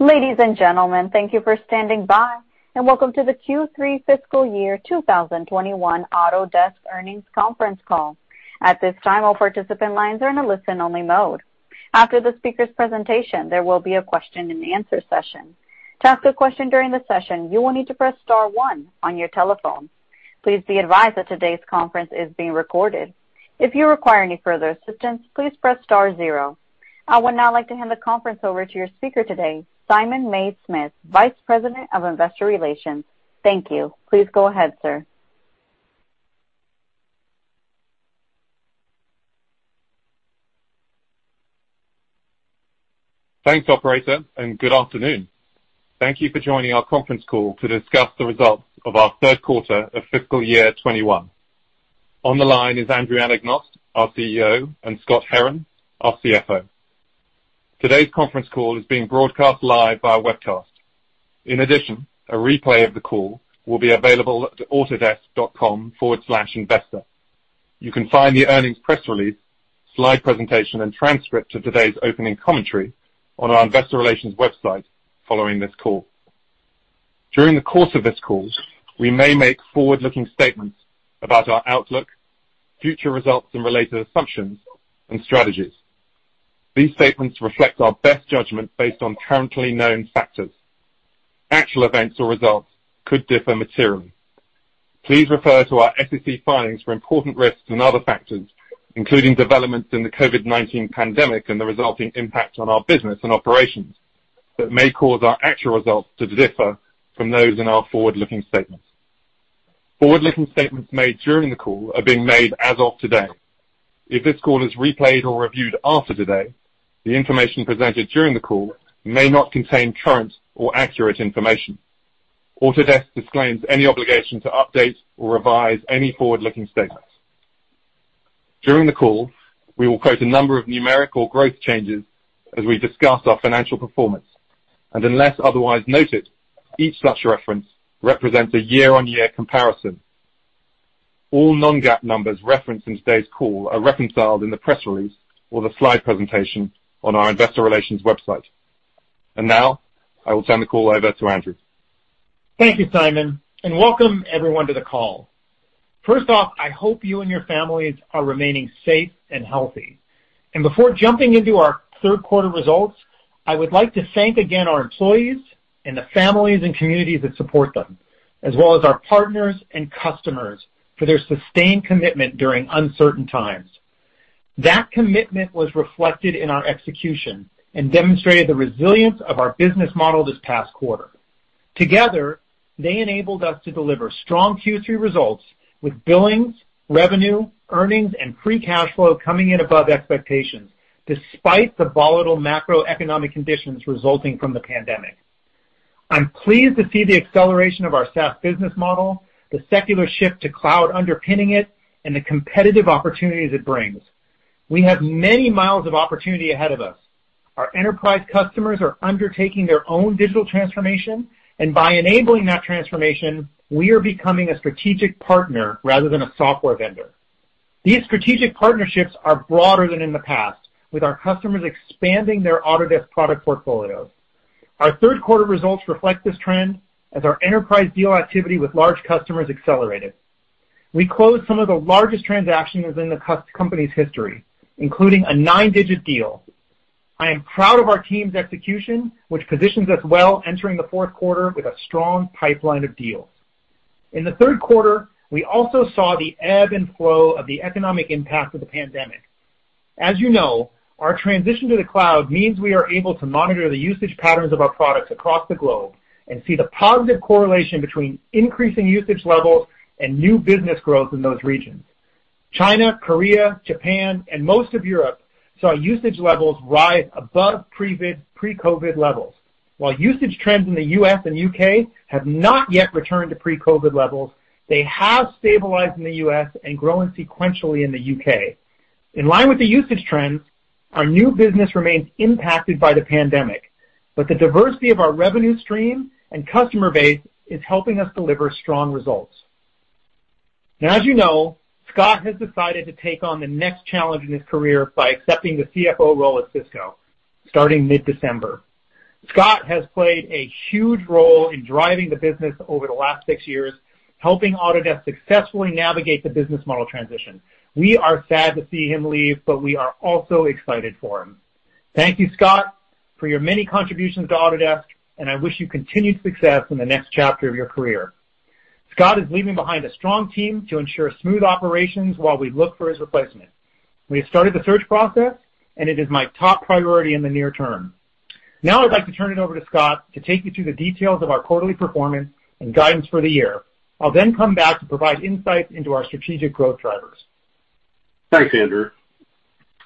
Ladies and gentlemen, thank you for standing by and welcome to the Q3 fiscal year 2021 Autodesk earnings conference call. At this time, all participant lines are in a listen-only mode. After the speaker's presentation, there will be a question and answer session. To ask a question during the session, you will need to press star one on your telephone. Please be advised that today's conference is being recorded. If you require any further assistance, please press star zero. I would now like to hand the conference over to your speaker today, Simon Mays-Smith, Vice President of Investor Relations. Thank you. Please go ahead, sir. Thanks, operator. Good afternoon. Thank you for joining our conference call to discuss the results of our third quarter of fiscal year 2021. On the line is Andrew Anagnost, our CEO, and Scott Herren, our CFO. Today's conference call is being broadcast live via webcast. In addition, a replay of the call will be available at autodesk.com/investor. You can find the earnings press release, slide presentation, and transcript of today's opening commentary on our investor relations website following this call. During the course of this call, we may make forward-looking statements about our outlook, future results, and related assumptions and strategies. These statements reflect our best judgment based on currently known factors. Actual events or results could differ materially. Please refer to our SEC filings for important risks and other factors, including developments in the COVID-19 pandemic and the resulting impact on our business and operations, that may cause our actual results to differ from those in our forward-looking statements. Forward-looking statements made during the call are being made as of today. If this call is replayed or reviewed after today, the information presented during the call may not contain current or accurate information. Autodesk disclaims any obligation to update or revise any forward-looking statements. During the call, we will quote a number of numeric or growth changes as we discuss our financial performance, and unless otherwise noted, each such reference represents a year-on-year comparison. All non-GAAP numbers referenced in today's call are reconciled in the press release or the slide presentation on our investor relations website. Now, I will turn the call over to Andrew. Thank you, Simon. Welcome everyone to the call. First off, I hope you and your families are remaining safe and healthy. Before jumping into our third quarter results, I would like to thank again our employees and the families and communities that support them, as well as our partners and customers for their sustained commitment during uncertain times. That commitment was reflected in our execution and demonstrated the resilience of our business model this past quarter. Together, they enabled us to deliver strong Q3 results with billings, revenue, earnings, and free cash flow coming in above expectations, despite the volatile macroeconomic conditions resulting from the pandemic. I'm pleased to see the acceleration of our SaaS business model, the secular shift to cloud underpinning it, and the competitive opportunities it brings. We have many miles of opportunity ahead of us. Our enterprise customers are undertaking their own digital transformation. By enabling that transformation, we are becoming a strategic partner rather than a software vendor. These strategic partnerships are broader than in the past, with our customers expanding their Autodesk product portfolios. Our third quarter results reflect this trend as our enterprise deal activity with large customers accelerated. We closed some of the largest transactions in the company's history, including a nine-digit deal. I am proud of our team's execution, which positions us well entering the fourth quarter with a strong pipeline of deals. In the third quarter, we also saw the ebb and flow of the economic impact of the pandemic. As you know, our transition to the cloud means we are able to monitor the usage patterns of our products across the globe and see the positive correlation between increasing usage levels and new business growth in those regions. China, Korea, Japan, and most of Europe saw usage levels rise above pre-COVID levels. While usage trends in the U.S. and U.K. have not yet returned to pre-COVID levels, they have stabilized in the U.S. and growing sequentially in the U.K. In line with the usage trends, our new business remains impacted by the pandemic, but the diversity of our revenue stream and customer base is helping us deliver strong results. Now, as you know, Scott has decided to take on the next challenge in his career by accepting the CFO role at Cisco starting mid-December. Scott has played a huge role in driving the business over the last six years, helping Autodesk successfully navigate the business model transition. We are sad to see him leave, but we are also excited for him. Thank you, Scott, for your many contributions to Autodesk, and I wish you continued success in the next chapter of your career. Scott is leaving behind a strong team to ensure smooth operations while we look for his replacement. We have started the search process, and it is my top priority in the near term. Now, I'd like to turn it over to Scott to take you through the details of our quarterly performance and guidance for the year. I'll then come back to provide insights into our strategic growth drivers. Thanks, Andrew.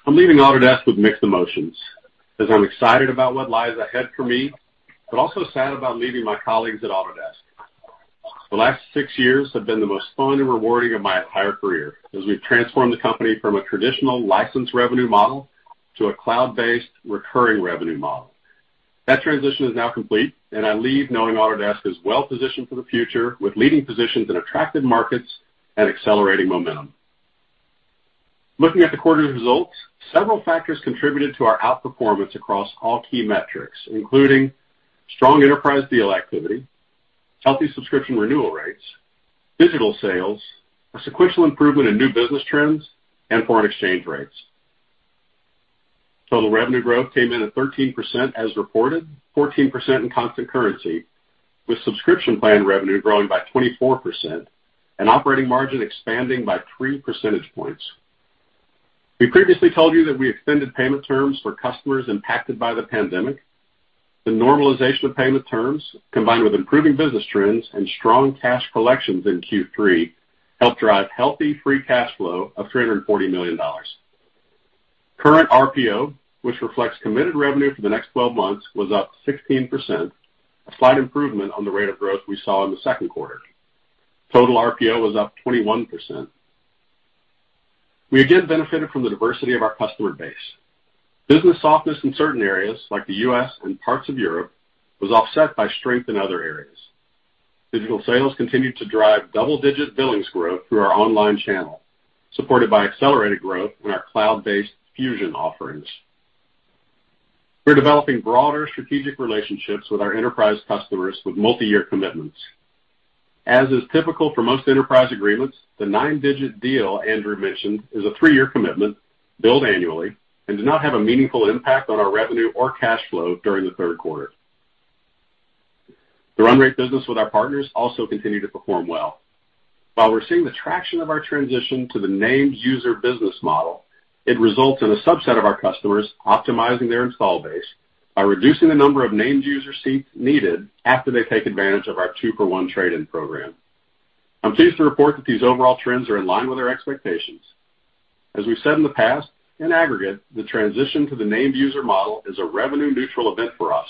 I'm leaving Autodesk with mixed emotions, as I'm excited about what lies ahead for me, but also sad about leaving my colleagues at Autodesk. The last six years have been the most fun and rewarding of my entire career, as we've transformed the company from a traditional license revenue model to a cloud-based recurring revenue model. That transition is now complete, and I leave knowing Autodesk is well-positioned for the future with leading positions in attractive markets and accelerating momentum. Looking at the quarter results, several factors contributed to our outperformance across all key metrics, including strong enterprise deal activity, healthy subscription renewal rates, digital sales, a sequential improvement in new business trends, and foreign exchange rates. Total revenue growth came in at 13% as reported, 14% in constant currency, with subscription plan revenue growing by 24% and operating margin expanding by three percentage points. We previously told you that we extended payment terms for customers impacted by the pandemic. The normalization of payment terms, combined with improving business trends and strong cash collections in Q3, helped drive healthy free cash flow of $340 million. Current RPO, which reflects committed revenue for the next 12 months, was up 16%, a slight improvement on the rate of growth we saw in the second quarter. Total RPO was up 21%. We again benefited from the diversity of our customer base. Business softness in certain areas, like the U.S. and parts of Europe, was offset by strength in other areas. Digital sales continued to drive double-digit billings growth through our online channel, supported by accelerated growth in our cloud-based Fusion offerings. We're developing broader strategic relationships with our enterprise customers with multi-year commitments. As is typical for most enterprise agreements, the nine-digit deal Andrew mentioned is a three-year commitment, billed annually, and did not have a meaningful impact on our revenue or cash flow during the third quarter. The run rate business with our partners also continued to perform well. While we're seeing the traction of our transition to the named-user business model, it results in a subset of our customers optimizing their install base by reducing the number of named-user seats needed after they take advantage of our two-for-one trade-in program. I'm pleased to report that these overall trends are in line with our expectations. As we've said in the past, in aggregate, the transition to the named-user model is a revenue-neutral event for us,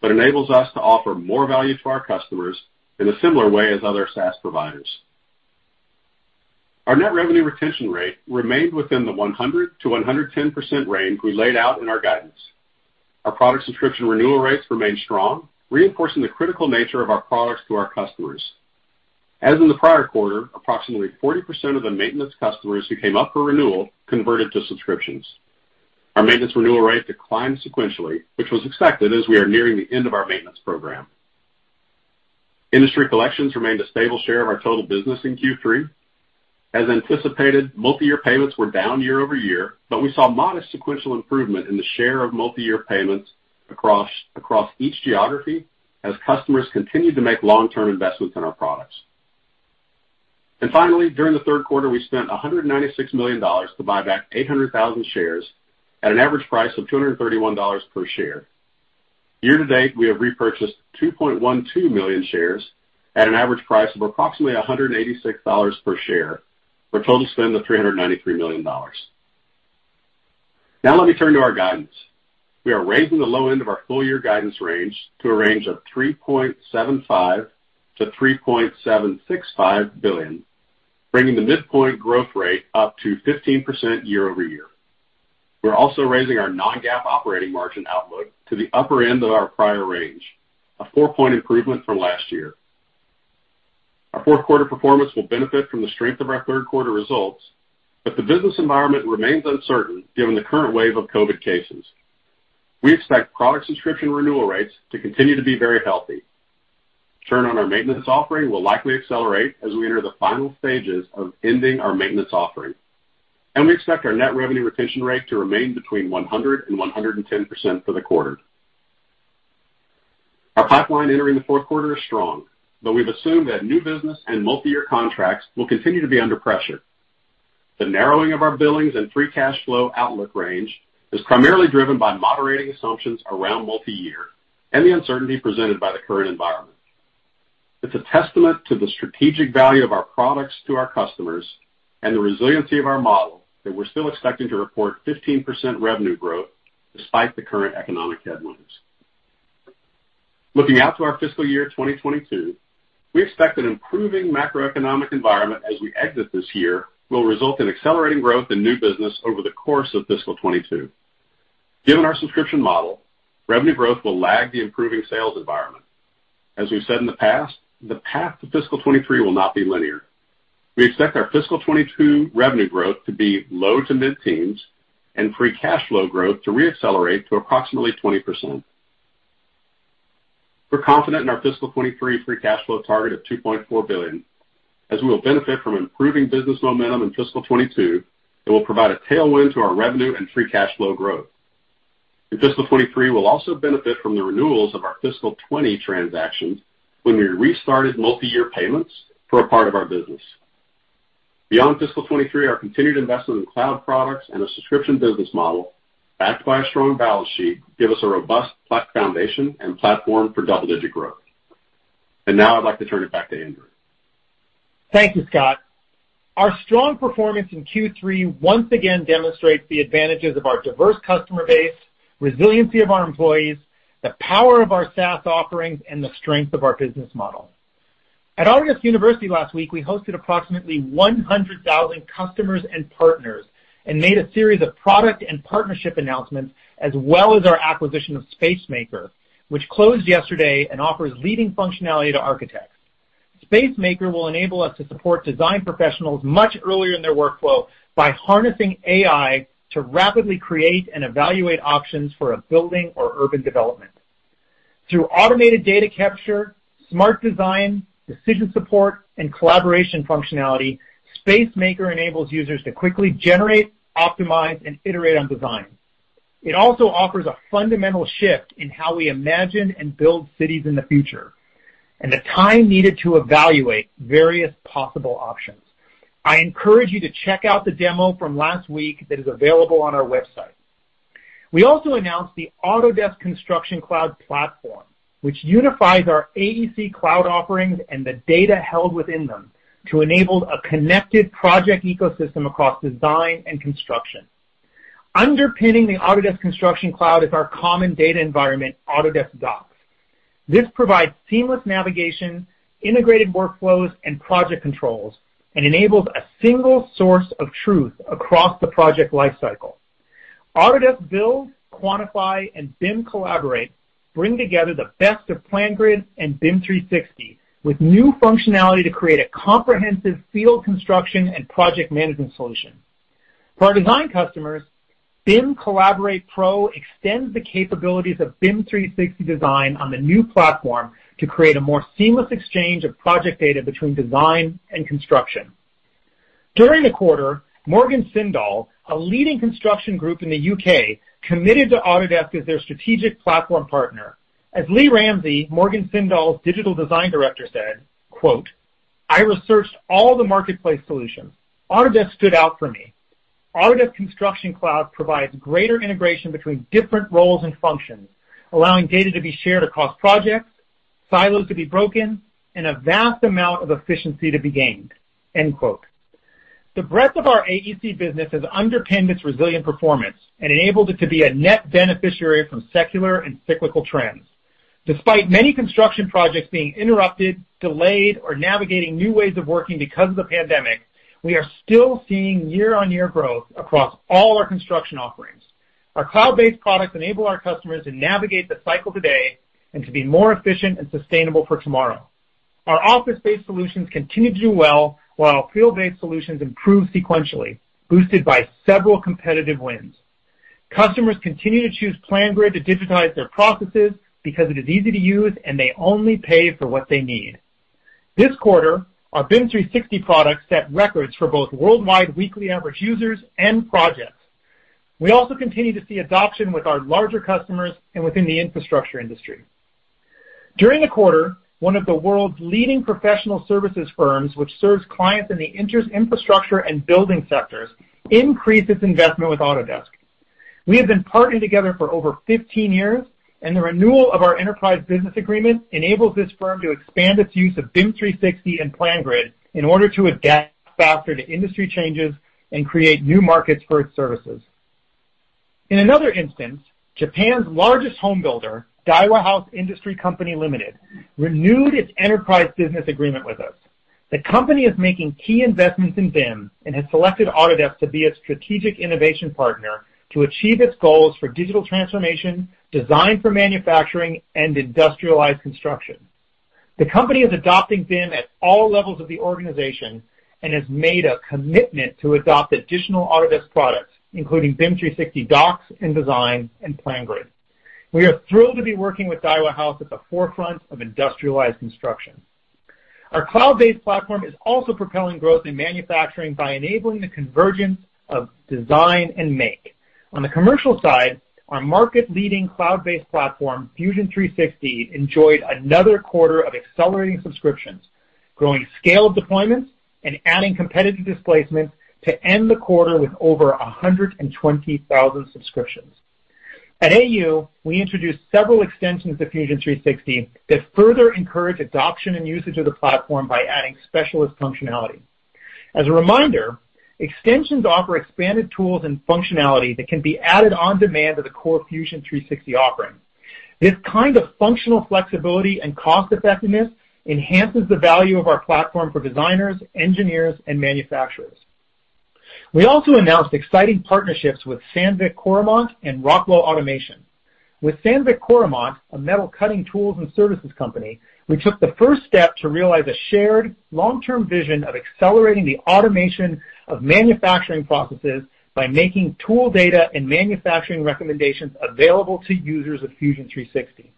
but enables us to offer more value to our customers in a similar way as other SaaS providers. Our net revenue retention rate remained within the 100%-110% range we laid out in our guidance. Our product subscription renewal rates remained strong, reinforcing the critical nature of our products to our customers. As in the prior quarter, approximately 40% of the maintenance customers who came up for renewal converted to subscriptions. Our maintenance renewal rate declined sequentially, which was expected, as we are nearing the end of our maintenance program. Industry collections remained a stable share of our total business in Q3. As anticipated, multi-year payments were down year-over-year, but we saw modest sequential improvement in the share of multi-year payments across each geography as customers continued to make long-term investments in our products. Finally, during the third quarter, we spent $196 million to buy back 800,000 shares at an average price of $231 per share. Year to date, we have repurchased 2.12 million shares at an average price of approximately $186 per share, for a total spend of $393 million. Now let me turn to our guidance. We are raising the low end of our full year guidance range to a range of $3.75 billion-$3.765 billion, bringing the midpoint growth rate up to 15% year-over-year. We're also raising our non-GAAP operating margin outlook to the upper end of our prior range, a four-point improvement from last year. Our fourth quarter performance will benefit from the strength of our third quarter results, but the business environment remains uncertain given the current wave of COVID-19 cases. We expect product subscription renewal rates to continue to be very healthy. Churn on our maintenance offering will likely accelerate as we enter the final stages of ending our maintenance offering. We expect our net revenue retention rate to remain between 100% and 110% for the quarter. Our pipeline entering the fourth quarter is strong, we've assumed that new business and multi-year contracts will continue to be under pressure. The narrowing of our billings and free cash flow outlook range is primarily driven by moderating assumptions around multi-year and the uncertainty presented by the current environment. It's a testament to the strategic value of our products to our customers and the resiliency of our model that we're still expecting to report 15% revenue growth despite the current economic headwinds. Looking out to our fiscal year 2022, we expect an improving macroeconomic environment as we exit this year will result in accelerating growth in new business over the course of fiscal 2022. Given our subscription model, revenue growth will lag the improving sales environment. As we've said in the past, the path to fiscal 2023 will not be linear. We expect our fiscal 2022 revenue growth to be low to mid-teens and free cash flow growth to re-accelerate to approximately 20%. We're confident in our fiscal 2023 free cash flow target of $2.4 billion, as we will benefit from improving business momentum in fiscal 2022 that will provide a tailwind to our revenue and free cash flow growth. In fiscal 2023, we'll also benefit from the renewals of our fiscal 2020 transactions when we restarted multi-year payments for a part of our business. Beyond fiscal 2023, our continued investment in cloud products and a subscription business model, backed by a strong balance sheet, give us a robust foundation and platform for double-digit growth. Now I'd like to turn it back to Andrew. Thank you, Scott. Our strong performance in Q3 once again demonstrates the advantages of our diverse customer base, resiliency of our employees, the power of our SaaS offerings, and the strength of our business model. At Autodesk University last week, we hosted approximately 100,000 customers and partners and made a series of product and partnership announcements, as well as our acquisition of Spacemaker, which closed yesterday and offers leading functionality to architects. Spacemaker will enable us to support design professionals much earlier in their workflow by harnessing AI to rapidly create and evaluate options for a building or urban development. Through automated data capture, smart design, decision support, and collaboration functionality, Spacemaker enables users to quickly generate, optimize, and iterate on designs. It also offers a fundamental shift in how we imagine and build cities in the future, and the time needed to evaluate various possible options. I encourage you to check out the demo from last week that is available on our website. We also announced the Autodesk Construction Cloud platform, which unifies our AEC cloud offerings and the data held within them to enable a connected project ecosystem across design and construction. Underpinning the Autodesk Construction Cloud is our common data environment, Autodesk Docs. This provides seamless navigation, integrated workflows, and project controls, and enables a single source of truth across the project lifecycle. Autodesk Build, Autodesk Takeoff, and BIM Collaborate bring together the best of PlanGrid and BIM 360 with new functionality to create a comprehensive field construction and project management solution. For our design customers, BIM Collaborate Pro extends the capabilities of BIM 360 Design on the new platform to create a more seamless exchange of project data between design and construction. During the quarter, Morgan Sindall, a leading construction group in the U.K., committed to Autodesk as their strategic platform partner. As Lee Ramsey, Morgan Sindall's digital design director, said, quote, "I researched all the marketplace solutions. Autodesk stood out for me. Autodesk Construction Cloud provides greater integration between different roles and functions, allowing data to be shared across projects, silos to be broken, and a vast amount of efficiency to be gained." End quote. The breadth of our AEC business has underpinned its resilient performance and enabled it to be a net beneficiary from secular and cyclical trends. Despite many construction projects being interrupted, delayed, or navigating new ways of working because of the pandemic, we are still seeing year-on-year growth across all our construction offerings. Our cloud-based products enable our customers to navigate the cycle today and to be more efficient and sustainable for tomorrow. Our office-based solutions continue to do well, while our field-based solutions improve sequentially, boosted by several competitive wins. Customers continue to choose PlanGrid to digitize their processes because it is easy to use, and they only pay for what they need. This quarter, our BIM 360 products set records for both worldwide weekly average users and projects. We also continue to see adoption with our larger customers and within the infrastructure industry. During the quarter, one of the world's leading professional services firms, which serves clients in the infrastructure and building sectors, increased its investment with Autodesk. We have been partnered together for over 15 years, and the renewal of our enterprise business agreement enables this firm to expand its use of BIM 360 and PlanGrid in order to adapt faster to industry changes and create new markets for its services. In another instance, Japan's largest home builder, Daiwa House Industry Company Limited, renewed its enterprise business agreement with us. The company is making key investments in BIM and has selected Autodesk to be its strategic innovation partner to achieve its goals for digital transformation, design for manufacturing, and industrialized construction. The company is adopting BIM at all levels of the organization and has made a commitment to adopt additional Autodesk products, including BIM 360 Docs and Design, and PlanGrid. We are thrilled to be working with Daiwa House at the forefront of industrialized construction. Our cloud-based platform is also propelling growth in manufacturing by enabling the convergence of design and make. On the commercial side, our market-leading cloud-based platform, Fusion 360, enjoyed another quarter of accelerating subscriptions, growing scale of deployments, and adding competitive displacement to end the quarter with over 120,000 subscriptions. At AU, we introduced several extensions of Fusion 360 that further encourage adoption and usage of the platform by adding specialist functionality. As a reminder, extensions offer expanded tools and functionality that can be added on demand to the core Fusion 360 offering. This kind of functional flexibility and cost-effectiveness enhances the value of our platform for designers, engineers, and manufacturers. We also announced exciting partnerships with Sandvik Coromant and Rockwell Automation. With Sandvik Coromant, a metal cutting tools and services company, we took the first step to realize a shared long-term vision of accelerating the automation of manufacturing processes by making tool data and manufacturing recommendations available to users of Fusion 360.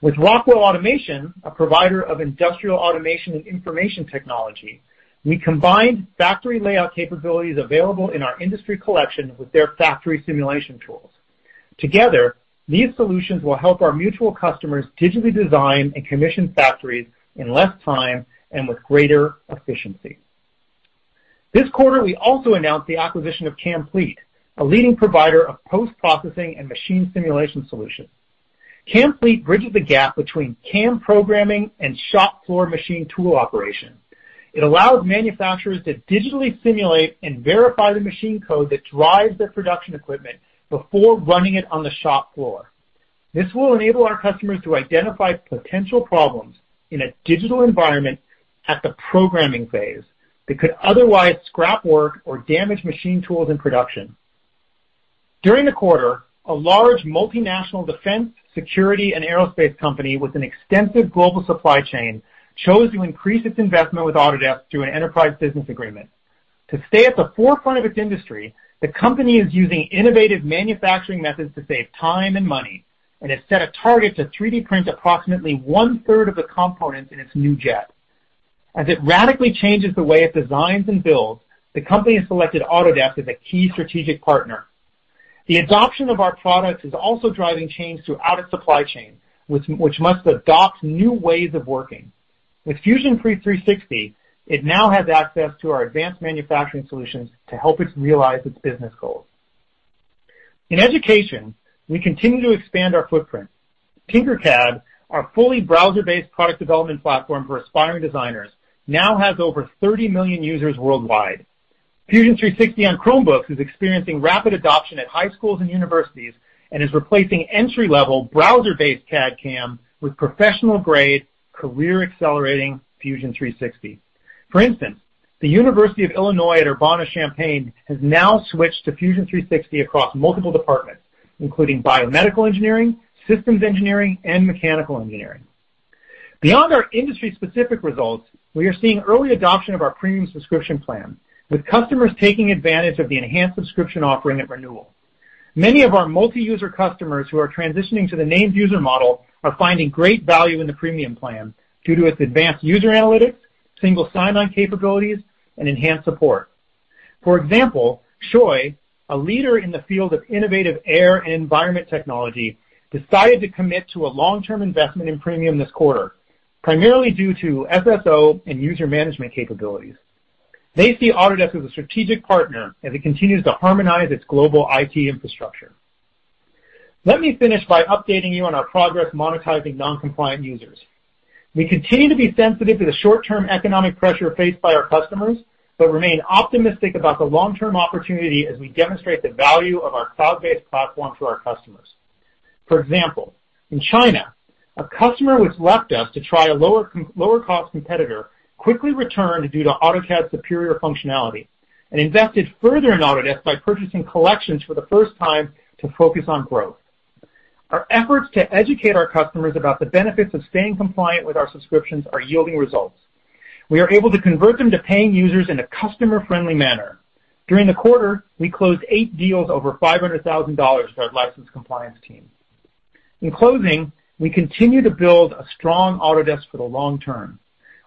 With Rockwell Automation, a provider of industrial automation and information technology, we combined factory layout capabilities available in our industry collection with their factory simulation tools. Together, these solutions will help our mutual customers digitally design and commission factories in less time and with greater efficiency. This quarter, we also announced the acquisition of CAMplete, a leading provider of post-processing and machine simulation solutions. CAMplete bridges the gap between CAM programming and shop floor machine tool operation. It allows manufacturers to digitally simulate and verify the machine code that drives their production equipment before running it on the shop floor. This will enable our customers to identify potential problems in a digital environment at the programming phase that could otherwise scrap work or damage machine tools in production. During the quarter, a large multinational defense, security, and aerospace company with an extensive global supply chain chose to increase its investment with Autodesk through an enterprise business agreement. To stay at the forefront of its industry, the company is using innovative manufacturing methods to save time and money and has set a target to 3D print approximately one-third of the components in its new jet. As it radically changes the way it designs and builds, the company has selected Autodesk as a key strategic partner. The adoption of our products is also driving change throughout its supply chain, which must adopt new ways of working. With Fusion 360, it now has access to our advanced manufacturing solutions to help it realize its business goals. In education, we continue to expand our footprint. Tinkercad, our fully browser-based product development platform for aspiring designers, now has over 30 million users worldwide. Fusion 360 on Chromebooks is experiencing rapid adoption at high schools and universities and is replacing entry-level, browser-based CAD/CAM with professional-grade, career-accelerating Fusion 360. For instance, the University of Illinois Urbana-Champaign has now switched to Fusion 360 across multiple departments, including biomedical engineering, systems engineering, and mechanical engineering. Beyond our industry-specific results, we are seeing early adoption of our premium subscription plan, with customers taking advantage of the enhanced subscription offering at renewal. Many of our multi-user customers who are transitioning to the named user model are finding great value in the premium plan due to its advanced user analytics, single sign-on capabilities, and enhanced support. For example, SHOEI, a leader in the field of innovative air and environment technology, decided to commit to a long-term investment in premium this quarter, primarily due to SSO and user management capabilities. They see Autodesk as a strategic partner as it continues to harmonize its global IT infrastructure. Let me finish by updating you on our progress monetizing non-compliant users. We continue to be sensitive to the short-term economic pressure faced by our customers but remain optimistic about the long-term opportunity as we demonstrate the value of our cloud-based platform for our customers. For example, in China, a customer who has left us to try a lower-cost competitor quickly returned due to AutoCAD's superior functionality and invested further in Autodesk by purchasing collections for the first time to focus on growth. Our efforts to educate our customers about the benefits of staying compliant with our subscriptions are yielding results. We are able to convert them to paying users in a customer-friendly manner. During the quarter, we closed eight deals over $500,000 through our license compliance team. In closing, we continue to build a strong Autodesk for the long term.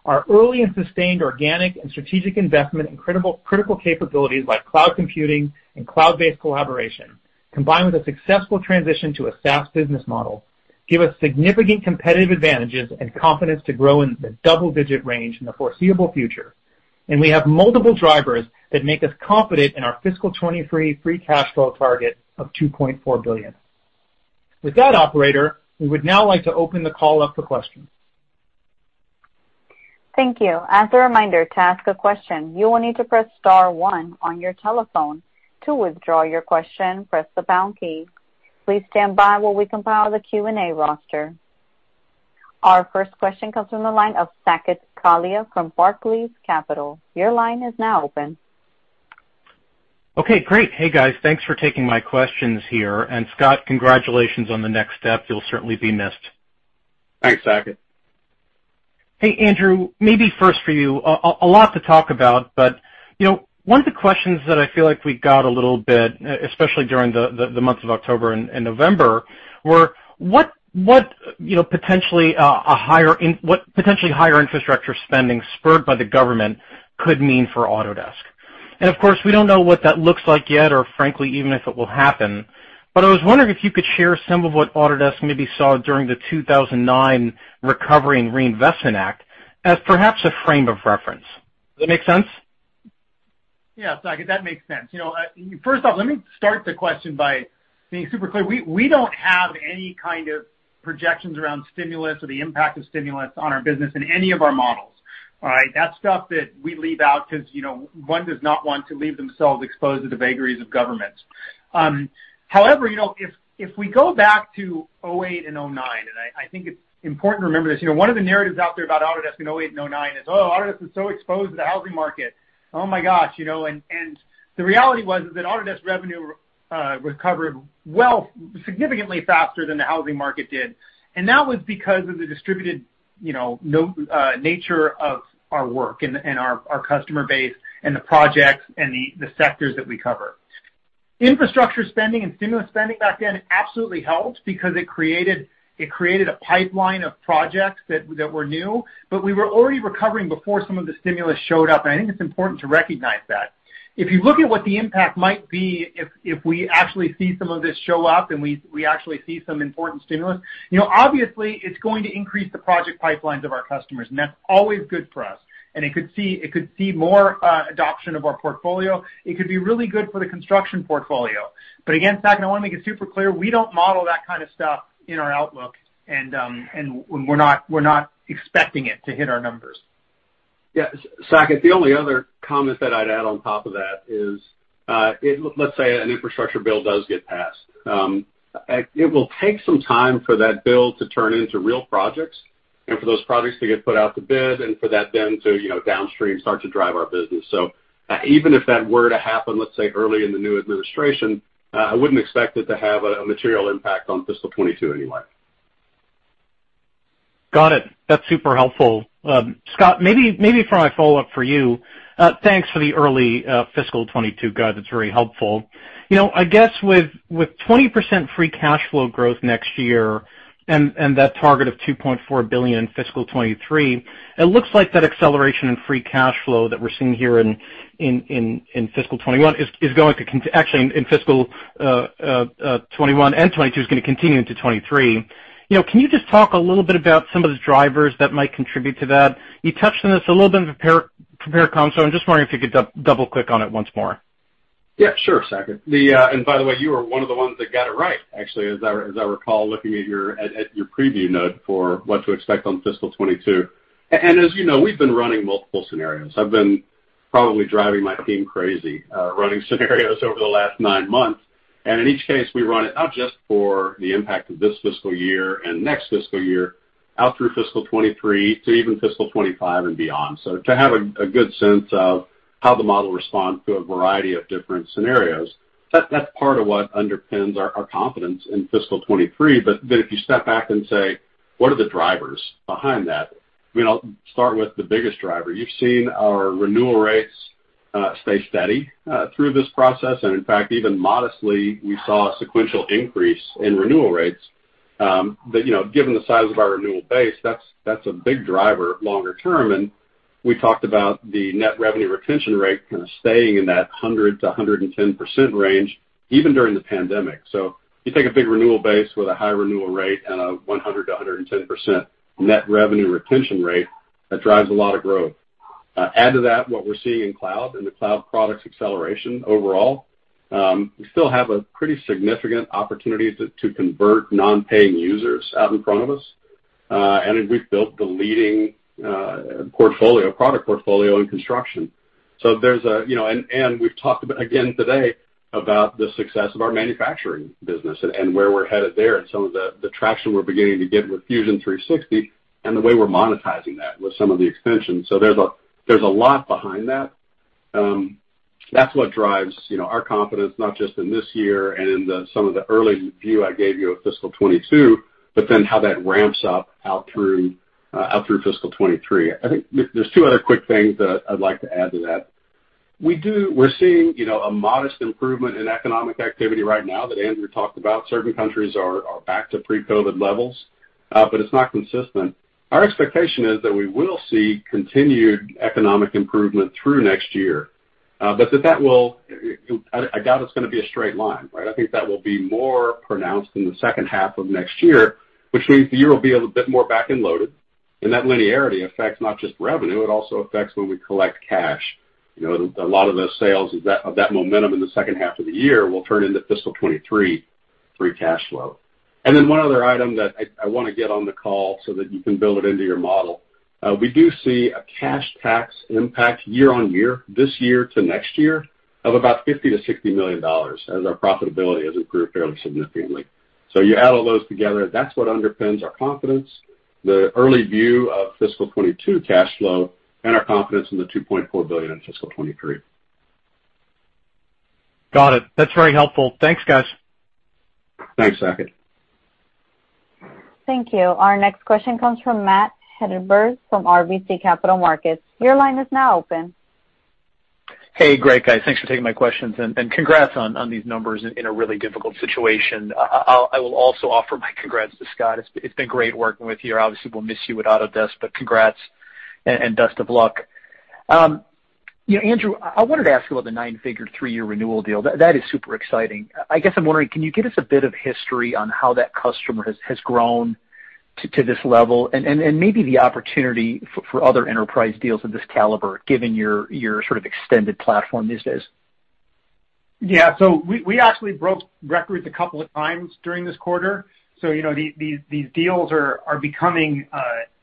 Our early and sustained organic and strategic investment in critical capabilities like cloud computing and cloud-based collaboration, combined with a successful transition to a SaaS business model, give us significant competitive advantages and confidence to grow in the double-digit range in the foreseeable future. We have multiple drivers that make us confident in our fiscal 2023 free cash flow target of $2.4 billion. With that, operator, we would now like to open the call up for questions. Thank you. As a reminder, to ask a question, you will need to press star one on your telephone. To withdraw your question, press the pound key. Please stand by while we compile the Q&A roster. Our first question comes from the line of Saket Kalia from Barclays Capital. Your line is now open. Okay, great. Hey, guys. Thanks for taking my questions here. Scott, congratulations on the next step. You'll certainly be missed. Thanks, Saket. Hey, Andrew, maybe first for you. A lot to talk about, one of the questions that I feel like we got a little bit, especially during the month of October and November, were what potentially higher infrastructure spending spurred by the government could mean for Autodesk. Of course, we don't know what that looks like yet, or frankly, even if it will happen. I was wondering if you could share some of what Autodesk maybe saw during the 2009 Recovery and Reinvestment Act as perhaps a frame of reference. Does that make sense? Yeah, Saket, that makes sense. First off, let me start the question by being super clear. We don't have any kind of projections around stimulus or the impact of stimulus on our business in any of our models. All right? That's stuff that we leave out because one does not want to leave themselves exposed to the vagaries of government. However, if we go back to 2008 and 2009, and I think it's important to remember this, one of the narratives out there about Autodesk in 2008 and 2009 is, "Oh, Autodesk is so exposed to the housing market. Oh, my gosh." The reality was that Autodesk revenue recovered significantly faster than the housing market did. That was because of the distributed nature of our work and our customer base and the projects and the sectors that we cover. Infrastructure spending and stimulus spending back then absolutely helped because it created a pipeline of projects that were new. We were already recovering before some of the stimulus showed up, and I think it's important to recognize that. If you look at what the impact might be if we actually see some of this show up and we actually see some important stimulus, obviously it's going to increase the project pipelines of our customers, and that's always good for us. It could see more adoption of our portfolio. It could be really good for the construction portfolio. Again, Saket, I want to make it super clear, we don't model that kind of stuff in our outlook, and we're not expecting it to hit our numbers. Yeah. Saket, the only other comment that I'd add on top of that is, let's say an infrastructure bill does get passed. It will take some time for that bill to turn into real projects and for those projects to get put out to bid and for that then to downstream start to drive our business. Even if that were to happen, let's say, early in the new administration, I wouldn't expect it to have a material impact on fiscal 2022 anyway. Got it. That's super helpful. Scott, maybe for my follow-up for you, thanks for the early fiscal 2022 guide. That's very helpful. I guess with 20% free cash flow growth next year and that target of $2.4 billion fiscal 2023, it looks like that acceleration in free cash flow that we're seeing here in fiscal 2021. Actually, in fiscal 2021 and 2022 is going to continue into 2023. Can you just talk a little bit about some of the drivers that might contribute to that? You touched on this a little bit in prepared comm, I'm just wondering if you could double-click on it once more. Yeah, sure, Saket. By the way, you were one of the ones that got it right, actually, as I recall looking at your preview note for what to expect on fiscal 2022. As you know, we've been running multiple scenarios. I've been probably driving my team crazy, running scenarios over the last nine months. In each case, we run it not just for the impact of this fiscal year and next fiscal year, out through fiscal 2023 to even fiscal 2025 and beyond. To have a good sense of how the model responds to a variety of different scenarios, that's part of what underpins our confidence in fiscal 2023. If you step back and say, "What are the drivers behind that?" I'll start with the biggest driver. You've seen our renewal rates stay steady through this process, and in fact, even modestly, we saw a sequential increase in renewal rates. Given the size of our renewal base, that's a big driver longer term. We talked about the net revenue retention rate kind of staying in that 100%-110% range even during the pandemic. You take a big renewal base with a high renewal rate and a 100%-110% net revenue retention rate, that drives a lot of growth. Add to that what we're seeing in cloud and the cloud products acceleration overall. We still have a pretty significant opportunity to convert non-paying users out in front of us. We've built the leading product portfolio in construction. We've talked about, again today, about the success of our manufacturing business and where we're headed there and some of the traction we're beginning to get with Fusion 360 and the way we're monetizing that with some of the extensions. There's a lot behind that. That's what drives our confidence, not just in this year and in some of the early view I gave you of fiscal 2022, but then how that ramps up out through fiscal 2023. I think there's two other quick things that I'd like to add to that. We're seeing a modest improvement in economic activity right now that Andrew talked about. Certain countries are back to pre-COVID levels, but it's not consistent. Our expectation is that we will see continued economic improvement through next year. I doubt it's going to be a straight line, right? I think that will be more pronounced in the second half of next year, which means the year will be a bit more back-end loaded. That linearity affects not just revenue, it also affects when we collect cash. A lot of the sales of that momentum in the second half of the year will turn into fiscal 2023 free cash flow. One other item that I want to get on the call so that you can build it into your model. We do see a cash tax impact year on year, this year to next year, of about $50 million-$60 million as our profitability has improved fairly significantly. You add all those together, that's what underpins our confidence, the early view of fiscal 2022 cash flow, and our confidence in the $2.4 billion in fiscal 2023. Got it. That's very helpful. Thanks, guys. Thanks, Saket. Thank you. Our next question comes from Matt Hedberg from RBC Capital Markets. Your line is now open. Hey. Great, guys. Thanks for taking my questions, and congrats on these numbers in a really difficult situation. I will also offer my congrats to Scott. It's been great working with you. Obviously, we'll miss you at Autodesk, but congrats, and best of luck. Andrew, I wanted to ask you about the nine-figure, three-year renewal deal. That is super exciting. I guess I'm wondering, can you give us a bit of history on how that customer has grown to this level and maybe the opportunity for other enterprise deals of this caliber, given your sort of extended platform these days? Yeah. We actually broke records a couple of times during this quarter. These deals are becoming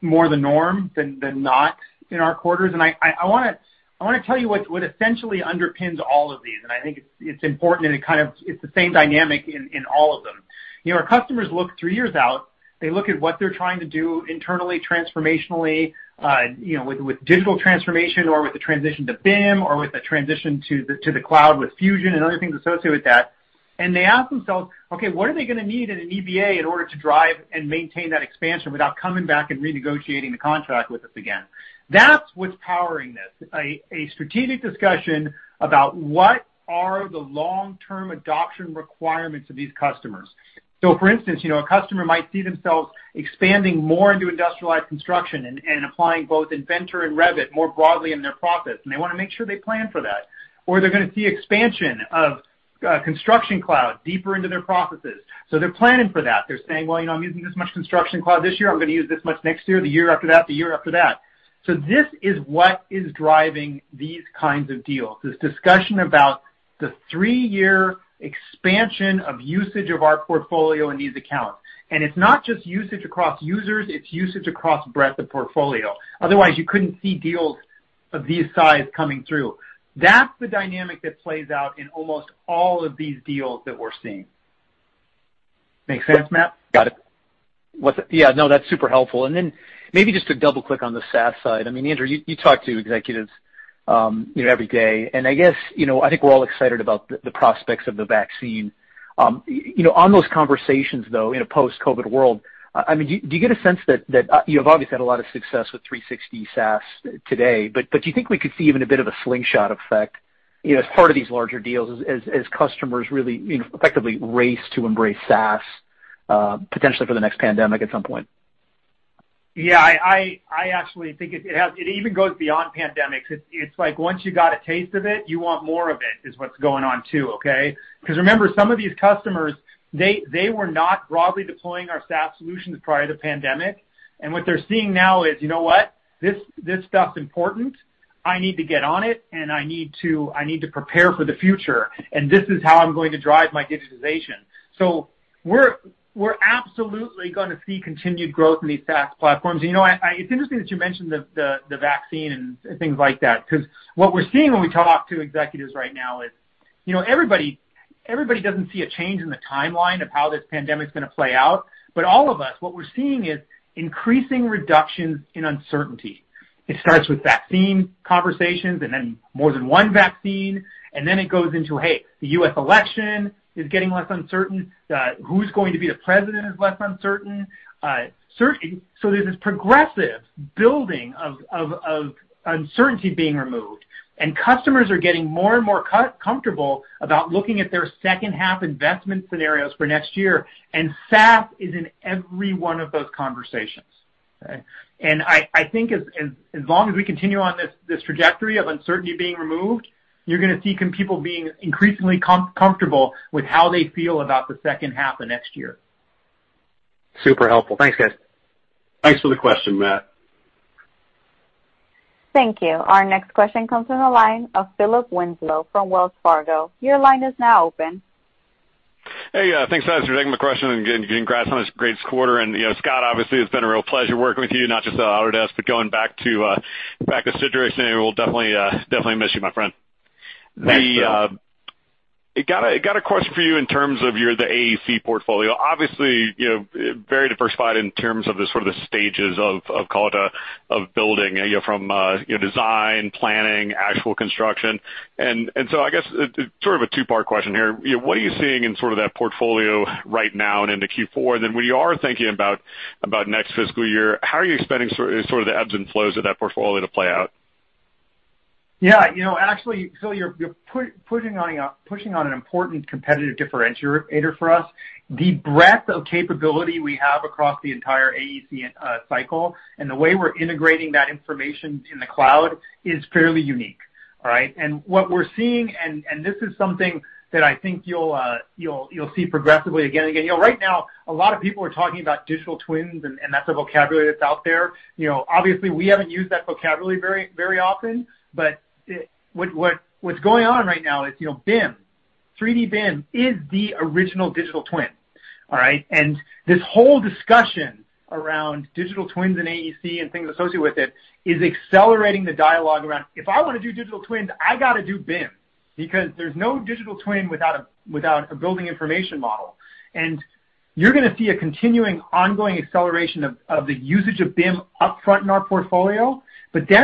more the norm than not in our quarters. I want to tell you what essentially underpins all of these, and I think it's important, and it's the same dynamic in all of them. Our customers look three years out. They look at what they're trying to do internally, transformationally, with digital transformation or with the transition to BIM or with the transition to the cloud with Fusion and other things associated with that. They ask themselves, okay, what are they going to need in an EBA in order to drive and maintain that expansion without coming back and renegotiating the contract with us again? That's what's powering this, a strategic discussion about what are the long-term adoption requirements of these customers. For instance, a customer might see themselves expanding more into industrialized construction and applying both Inventor and Revit more broadly in their profits. They want to make sure they plan for that. They're going to see expansion of Construction Cloud deeper into their processes. They're planning for that. They're saying, "Well, I'm using this much Construction Cloud this year. I'm going to use this much next year, the year after that, the year after that." This is what is driving these kinds of deals, this discussion about the three-year expansion of usage of our portfolio in these accounts. It's not just usage across users, it's usage across breadth of portfolio. Otherwise, you couldn't see deals of these size coming through. That's the dynamic that plays out in almost all of these deals that we're seeing. Make sense, Matt? Got it. Yeah, no, that's super helpful. Then maybe just to double-click on the SaaS side. Andrew, you talk to executives every day, and I guess, I think we're all excited about the prospects of the vaccine. On those conversations, though, in a post-COVID world, do you get a sense that you have obviously had a lot of success with 360 SaaS today, but do you think we could see even a bit of a slingshot effect as part of these larger deals as customers really effectively race to embrace SaaS, potentially for the next pandemic at some point? I actually think it even goes beyond pandemics. It's like once you got a taste of it, you want more of it, is what's going on too, okay? Remember, some of these customers, they were not broadly deploying our SaaS solutions prior to the pandemic. What they're seeing now is, you know what? This stuff's important. I need to get on it, and I need to prepare for the future, and this is how I'm going to drive my digitization. We're absolutely gonna see continued growth in these SaaS platforms. It's interesting that you mention the vaccine and things like that, because what we're seeing when we talk to executives right now is everybody doesn't see a change in the timeline of how this pandemic's gonna play out. All of us, what we're seeing is increasing reductions in uncertainty. It starts with vaccine conversations and then more than one vaccine, and then it goes into, hey, the U.S. election is getting less uncertain. Who's going to be the president is less uncertain. There's this progressive building of uncertainty being removed, and customers are getting more and more comfortable about looking at their second-half investment scenarios for next year, and SaaS is in every one of those conversations. Okay. I think as long as we continue on this trajectory of uncertainty being removed, you're gonna see people being increasingly comfortable with how they feel about the second half of next year. Super helpful. Thanks, guys. Thanks for the question, Matt. Thank you. Our next question comes from the line of Philip Winslow from Wells Fargo. Your line is now open. Hey. Thanks, guys, for taking the question, and again, congrats on this great quarter. Scott, obviously, it's been a real pleasure working with you, not just at Autodesk, but going back to Citrix, and we'll definitely miss you, my friend. Thanks, Phil. I got a question for you in terms of the AEC portfolio. Obviously, very diversified in terms of the stages of building, from design, planning, actual construction. I guess sort of a two-part question here. What are you seeing in that portfolio right now and into Q4? When you are thinking about next fiscal year, how are you expecting the ebbs and flows of that portfolio to play out? Yeah. Actually, Phil, you're pushing on an important competitive differentiator for us. The breadth of capability we have across the entire AEC cycle, and the way we're integrating that information in the cloud is fairly unique. All right? What we're seeing, and this is something that I think you'll see progressively again and again. Right now, a lot of people are talking about digital twins, and that's the vocabulary that's out there. Obviously, we haven't used that vocabulary very often, but what's going on right now is BIM. 3D BIM is the original digital twin. All right? This whole discussion around digital twins and AEC and things associated with it is accelerating the dialogue around, if I want to do digital twins, I got to do BIM, because there's no digital twin without a building information model. You're going to see a continuing, ongoing acceleration of the usage of BIM up front in our portfolio.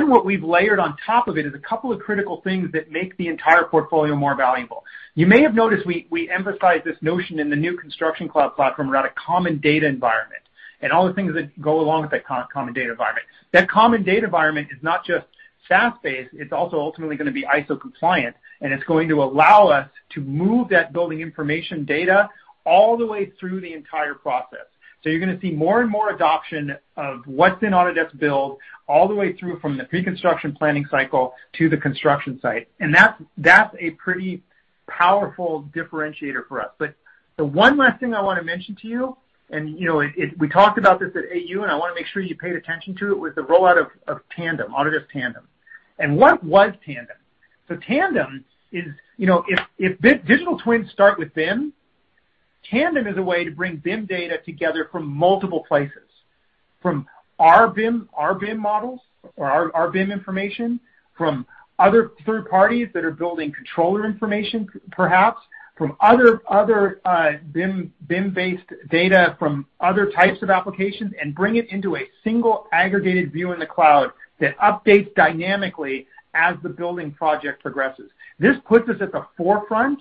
What we've layered on top of it is a couple of critical things that make the entire portfolio more valuable. You may have noticed we emphasize this notion in the new Construction Cloud platform around a common data environment, and all the things that go along with that common data environment. That common data environment is not just SaaS-based, it's also ultimately going to be ISO compliant, and it's going to allow us to move that building information data all the way through the entire process. You're going to see more and more adoption of what's in Autodesk Build all the way through from the pre-construction planning cycle to the construction site. That's a pretty powerful differentiator for us. The one last thing I want to mention to you, and we talked about this at AU, and I want to make sure you paid attention to it, was the rollout of Tandem, Autodesk Tandem. What was Tandem? Tandem is, if digital twins start with BIM, Tandem is a way to bring BIM data together from multiple places. From our BIM models or our BIM information, from other third parties that are building controller information, perhaps, from other BIM-based data from other types of applications, and bring it into a single aggregated view in the cloud that updates dynamically as the building project progresses. This puts us at the forefront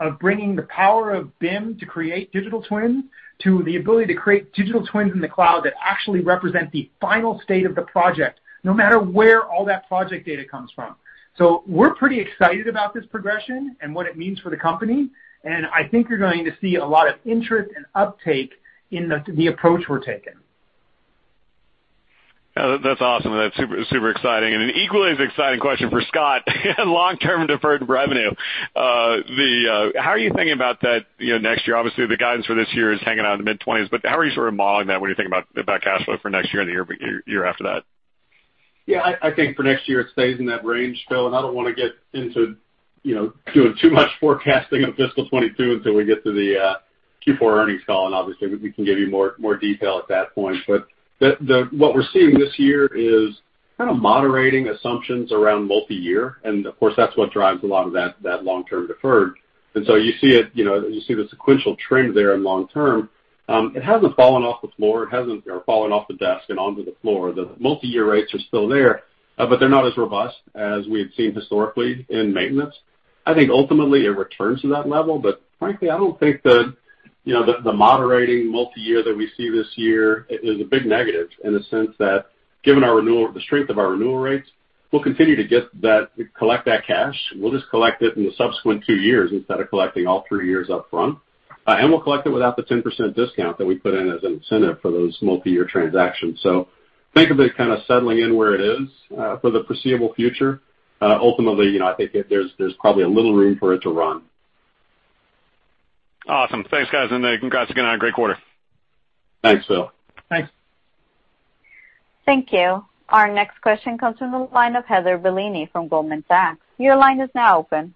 of bringing the power of BIM to create digital twins, to the ability to create digital twins in the cloud that actually represent the final state of the project, no matter where all that project data comes from. We're pretty excited about this progression and what it means for the company, and I think you're going to see a lot of interest and uptake in the approach we're taking. That's awesome. That's super exciting. An equally as exciting question for Scott on long-term deferred revenue. How are you thinking about that next year? Obviously, the guidance for this year is hanging out in the mid-20s, how are you sort of modeling that when you think about cash flow for next year and the year after that? I think for next year, it stays in that range, Phil. I don't want to get into doing too much forecasting of fiscal 2022 until we get to the Q4 earnings call. Obviously, we can give you more detail at that point. What we're seeing this year is kind of moderating assumptions around multi-year. Of course, that's what drives a lot of that long-term deferred. You see the sequential trend there in long-term. It hasn't fallen off the floor. It hasn't fallen off the desk and onto the floor. The multi-year rates are still there, but they're not as robust as we had seen historically in maintenance. I think ultimately it returns to that level. Frankly, I don't think the moderating multi-year that we see this year is a big negative in the sense that given the strength of our renewal rates, we'll continue to collect that cash. We'll just collect it in the subsequent two years instead of collecting all three years up front. We'll collect it without the 10% discount that we put in as an incentive for those multi-year transactions. Think of it kind of settling in where it is for the foreseeable future. Ultimately, I think there's probably a little room for it to run. Awesome. Thanks, guys. Congrats again on a great quarter. Thanks, Phil. Thanks. Thank you. Our next question comes from the line of Heather Bellini from Goldman Sachs. Your line is now open.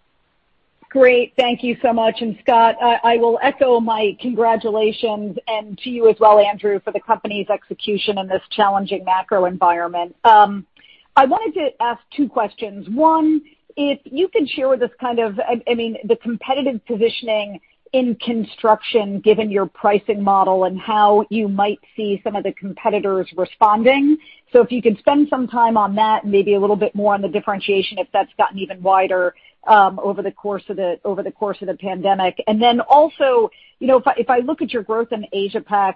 Great. Thank you so much. Scott, I will echo my congratulations, and to you as well, Andrew, for the company's execution in this challenging macro environment. I wanted to ask two questions. One, if you could share with us the competitive positioning in construction, given your pricing model, and how you might see some of the competitors responding. If you could spend some time on that and maybe a little bit more on the differentiation, if that's gotten even wider over the course of the pandemic. Also, if I look at your growth in APAC,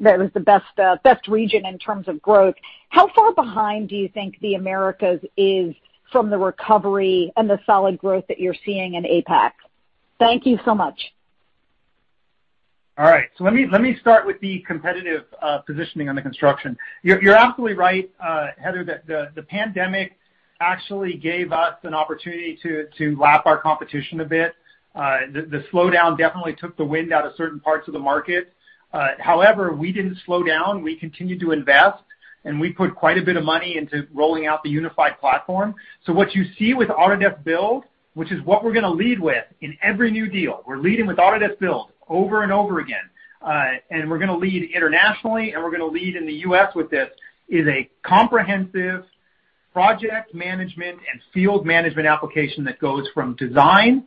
that was the best region in terms of growth. How far behind do you think the Americas is from the recovery and the solid growth that you're seeing in APAC? Thank you so much. All right. Let me start with the competitive positioning on the construction. You're absolutely right, Heather, that the pandemic actually gave us an opportunity to lap our competition a bit. The slowdown definitely took the wind out of certain parts of the market. However, we didn't slow down. We continued to invest, and we put quite a bit of money into rolling out the unified platform. What you see with Autodesk Build, which is what we're going to lead with in every new deal, we're leading with Autodesk Build over and over again. We're going to lead internationally, and we're going to lead in the U.S. with this, is a comprehensive project management and field management application that goes from design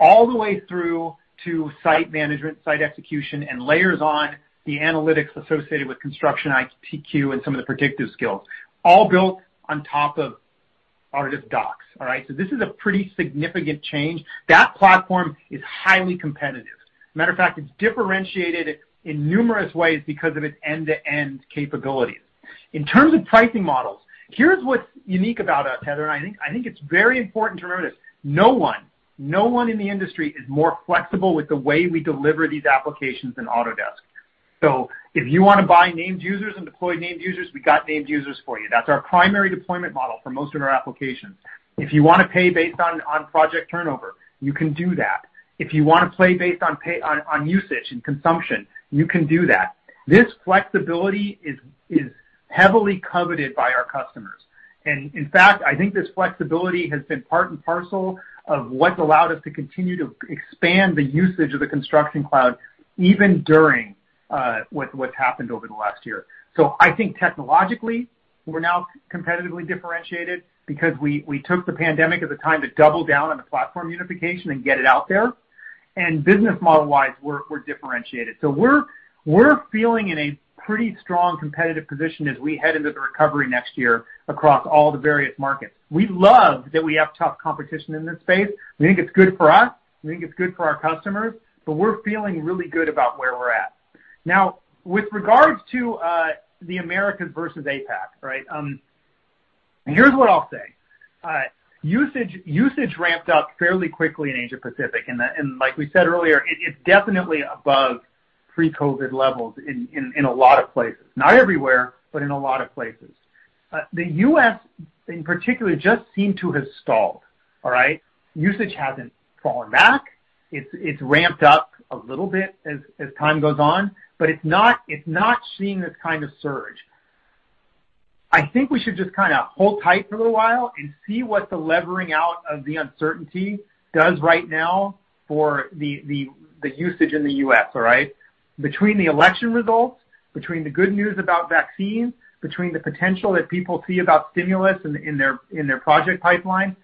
all the way through to site management, site execution, and layers on the analytics associated with Construction IQ and some of the predictive skills, all built on top of Autodesk Docs. All right? This is a pretty significant change. That platform is highly competitive. As a matter of fact, it's differentiated in numerous ways because of its end-to-end capabilities. In terms of pricing models, here's what's unique about us, Heather, and I think it's very important to remember this. No one in the industry is more flexible with the way we deliver these applications than Autodesk. If you want to buy named users and deploy named users, we got named users for you. That's our primary deployment model for most of our applications. If you want to pay based on project turnover, you can do that. If you want to pay based on usage and consumption, you can do that. This flexibility is heavily coveted by our customers. In fact, I think this flexibility has been part and parcel of what's allowed us to continue to expand the usage of the Construction Cloud, even during what's happened over the last year. I think technologically, we're now competitively differentiated because we took the pandemic as a time to double down on the platform unification and get it out there. Business model-wise, we're differentiated. We're feeling in a pretty strong competitive position as we head into the recovery next year across all the various markets. We love that we have tough competition in this space. We think it's good for us. We think it's good for our customers. We're feeling really good about where we're at. With regards to the Americas versus APAC, here's what I'll say. Usage ramped up fairly quickly in Asia Pacific. Like we said earlier, it's definitely above pre-COVID levels in a lot of places. Not everywhere, in a lot of places. The U.S., in particular, just seemed to have stalled. All right? Usage hasn't fallen back. It's ramped up a little bit as time goes on. It's not seeing this kind of surge. I think we should just kind of hold tight for a little while and see what the levering out of the uncertainty does right now for the usage in the U.S. All right? Between the election results, between the good news about vaccines, between the potential that people see about stimulus in their project pipeline,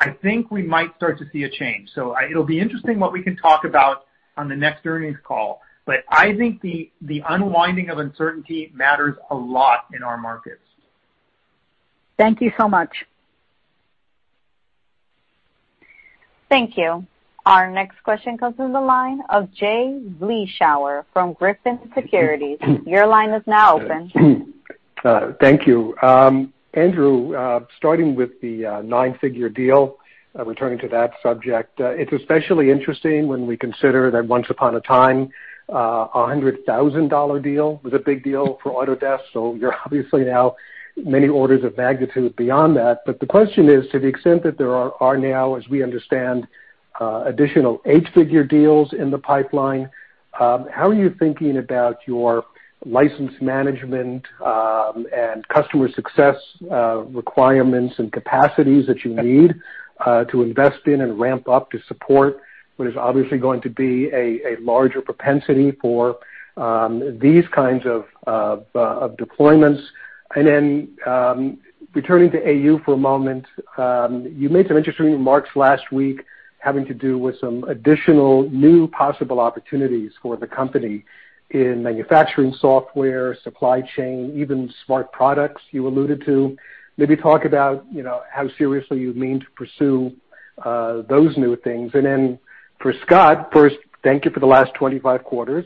I think we might start to see a change. It'll be interesting what we can talk about on the next earnings call. I think the unwinding of uncertainty matters a lot in our markets. Thank you so much. Thank you. Our next question comes from the line of Jay Vleeschhouwer from Griffin Securities. Your line is now open. Thank you. Andrew, starting with the nine-figure deal, returning to that subject. It's especially interesting when we consider that once upon a time, a $100,000 deal was a big deal for Autodesk. You're obviously now many orders of magnitude beyond that. The question is, to the extent that there are now, as we understand, additional eight-figure deals in the pipeline, how are you thinking about your license management, and customer success requirements and capacities that you need to invest in and ramp up to support what is obviously going to be a larger propensity for these kinds of deployments? Then, returning to AU for a moment, you made some interesting remarks last week having to do with some additional new possible opportunities for the company in manufacturing software, supply chain, even smart products you alluded to. Maybe talk about how seriously you mean to pursue those new things. For Scott, first, thank you for the last 25 quarters.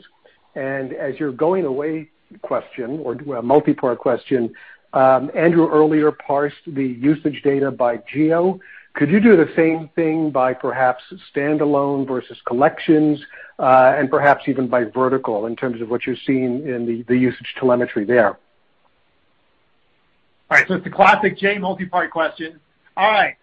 As your going away question, or multi-part question, Andrew earlier parsed the usage data by geo. Could you do the same thing by perhaps standalone versus collections, and perhaps even by vertical in terms of what you're seeing in the usage telemetry there? All right. It's the classic Jay multi-part question. All right.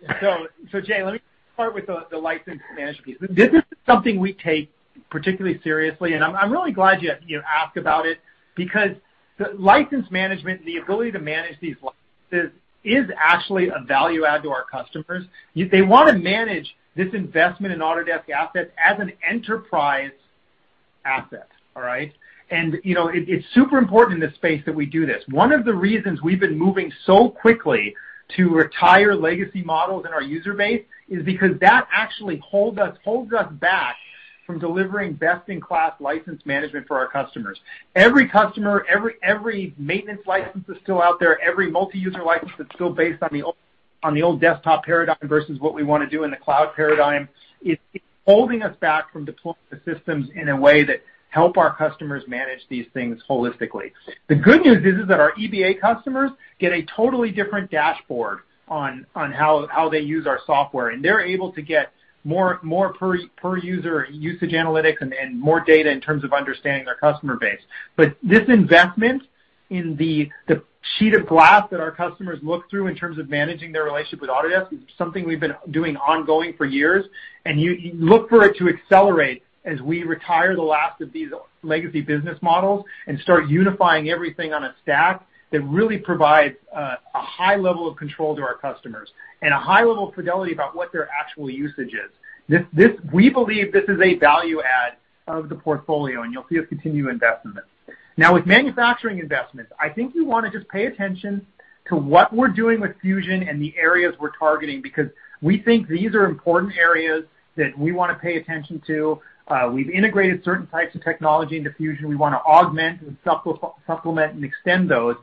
Jay, let me start with the license management piece. This is something we take particularly seriously, and I'm really glad you asked about it because the license management, the ability to manage these licenses, is actually a value add to our customers. They want to manage this investment in Autodesk assets as an enterprise asset. All right. It's super important in this space that we do this. One of the reasons we've been moving so quickly to retire legacy models in our user base is because that actually holds us back from delivering best-in-class license management for our customers. Every customer, every maintenance license that's still out there, every multi-user license that's still based on the old desktop paradigm versus what we want to do in the cloud paradigm, it's holding us back from deploying the systems in a way that help our customers manage these things holistically. The good news is that our EBA customers get a totally different dashboard on how they use our software, and they're able to get more per-user usage analytics and more data in terms of understanding their customer base. This investment in the sheet of glass that our customers look through in terms of managing their relationship with Autodesk is something we've been doing ongoing for years. Look for it to accelerate as we retire the last of these legacy business models and start unifying everything on a stack that really provides a high level of control to our customers and a high level of fidelity about what their actual usage is. We believe this is a value add of the portfolio, and you'll see us continue to invest in this. Now, with manufacturing investments, I think you want to just pay attention to what we're doing with Fusion and the areas we're targeting because we think these are important areas that we want to pay attention to. We've integrated certain types of technology into Fusion. We want to augment and supplement and extend those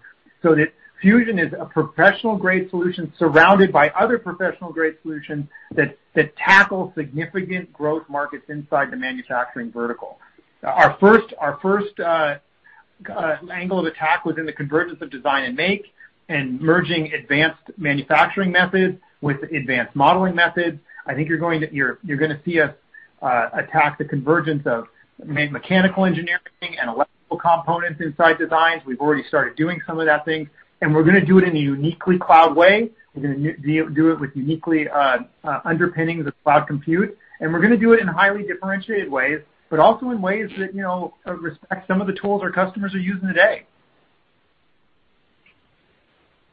so that Fusion is a professional-grade solution surrounded by other professional-grade solutions that tackle significant growth markets inside the manufacturing vertical. Our first angle of attack was in the convergence of design and make and merging advanced manufacturing methods with advanced modeling methods. I think you're going to see us attack the convergence of mechanical engineering and electrical components inside designs. We've already started doing some of that thing, and we're going to do it in a uniquely cloud way. We're going to do it with uniquely underpinning the cloud compute, and we're going to do it in highly differentiated ways, but also in ways that respect some of the tools our customers are using today.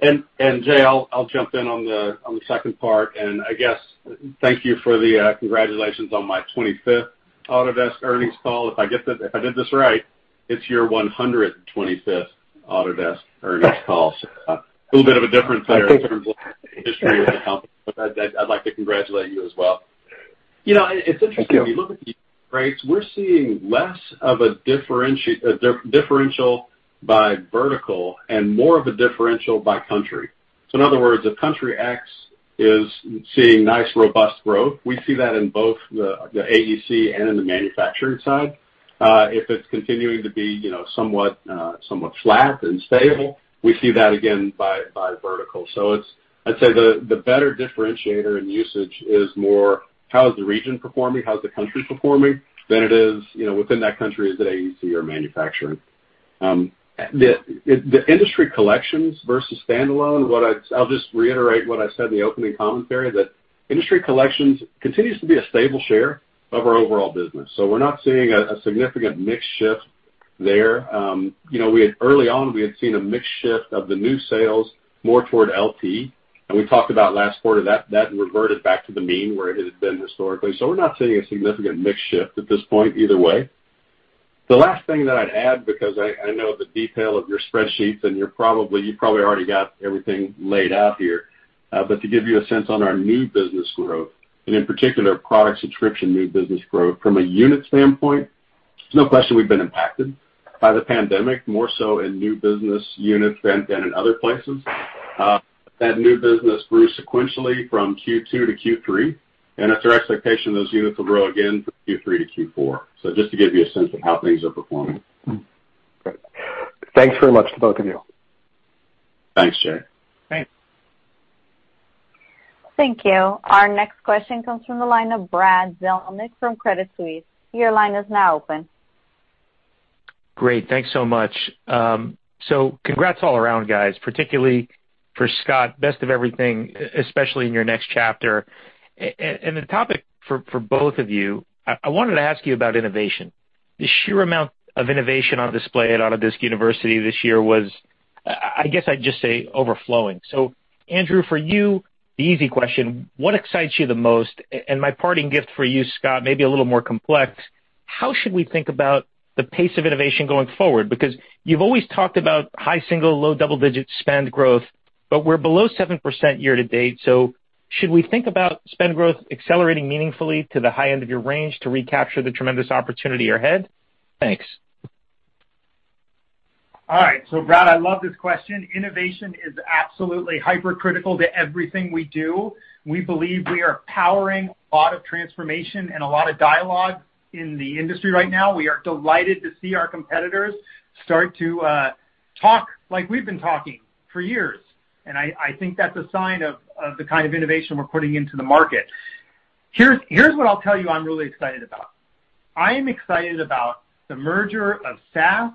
Jay, I'll jump in on the second part. I guess thank you for the congratulations on my 25th Autodesk earnings call. If I did this right, it's your 125th Autodesk earnings call. A little bit of a difference there in terms of history with the company, but I'd like to congratulate you as well. Thank you. It's interesting. When you look at the rates, we're seeing less of a differential by vertical and more of a differential by country. In other words, if country X is seeing nice, robust growth, we see that in both the AEC and in the manufacturing side. If it's continuing to be somewhat flat and stable, we see that again by vertical. I'd say the better differentiator in usage is more how is the region performing, how is the country performing, than it is within that country is it AEC or manufacturing. The industry collections versus standalone, I'll just reiterate what I said in the opening commentary, that industry collections continues to be a stable share of our overall business. We're not seeing a significant mix shift there. Early on, we had seen a mix shift of the new sales more toward LT. We talked about last quarter, that reverted back to the mean where it has been historically. We're not seeing a significant mix shift at this point either way. The last thing that I'd add, because I know the detail of your spreadsheets, and you probably already got everything laid out here. To give you a sense on our new business growth, and in particular, product subscription new business growth from a unit standpoint, there's no question we've been impacted by the pandemic, more so in new business units than in other places. That new business grew sequentially from Q2 to Q3, and it's our expectation those units will grow again from Q3 to Q4. Just to give you a sense of how things are performing. Great. Thanks very much to both of you. Thanks, Jay. Thanks. Thank you. Our next question comes from the line of Brad Zelnick from Credit Suisse. Your line is now open. Great. Thanks so much. Congrats all around, guys, particularly for Scott. Best of everything, especially in your next chapter. The topic for both of you, I wanted to ask you about innovation. The sheer amount of innovation on display at Autodesk University this year was, I guess I'd just say overflowing. Andrew, for you, the easy question, what excites you the most? My parting gift for you, Scott, maybe a little more complex. How should we think about the pace of innovation going forward? Because you've always talked about high single, low double-digit spend growth, but we're below 7% year-to-date. Should we think about spend growth accelerating meaningfully to the high end of your range to recapture the tremendous opportunity ahead? Thanks. All right. Brad, I love this question. Innovation is absolutely hyper-critical to everything we do. We believe we are powering a lot of transformation and a lot of dialogue in the industry right now. We are delighted to see our competitors start to talk like we've been talking for years, and I think that's a sign of the kind of innovation we're putting into the market. Here's what I'll tell you I'm really excited about. I am excited about the merger of SaaS,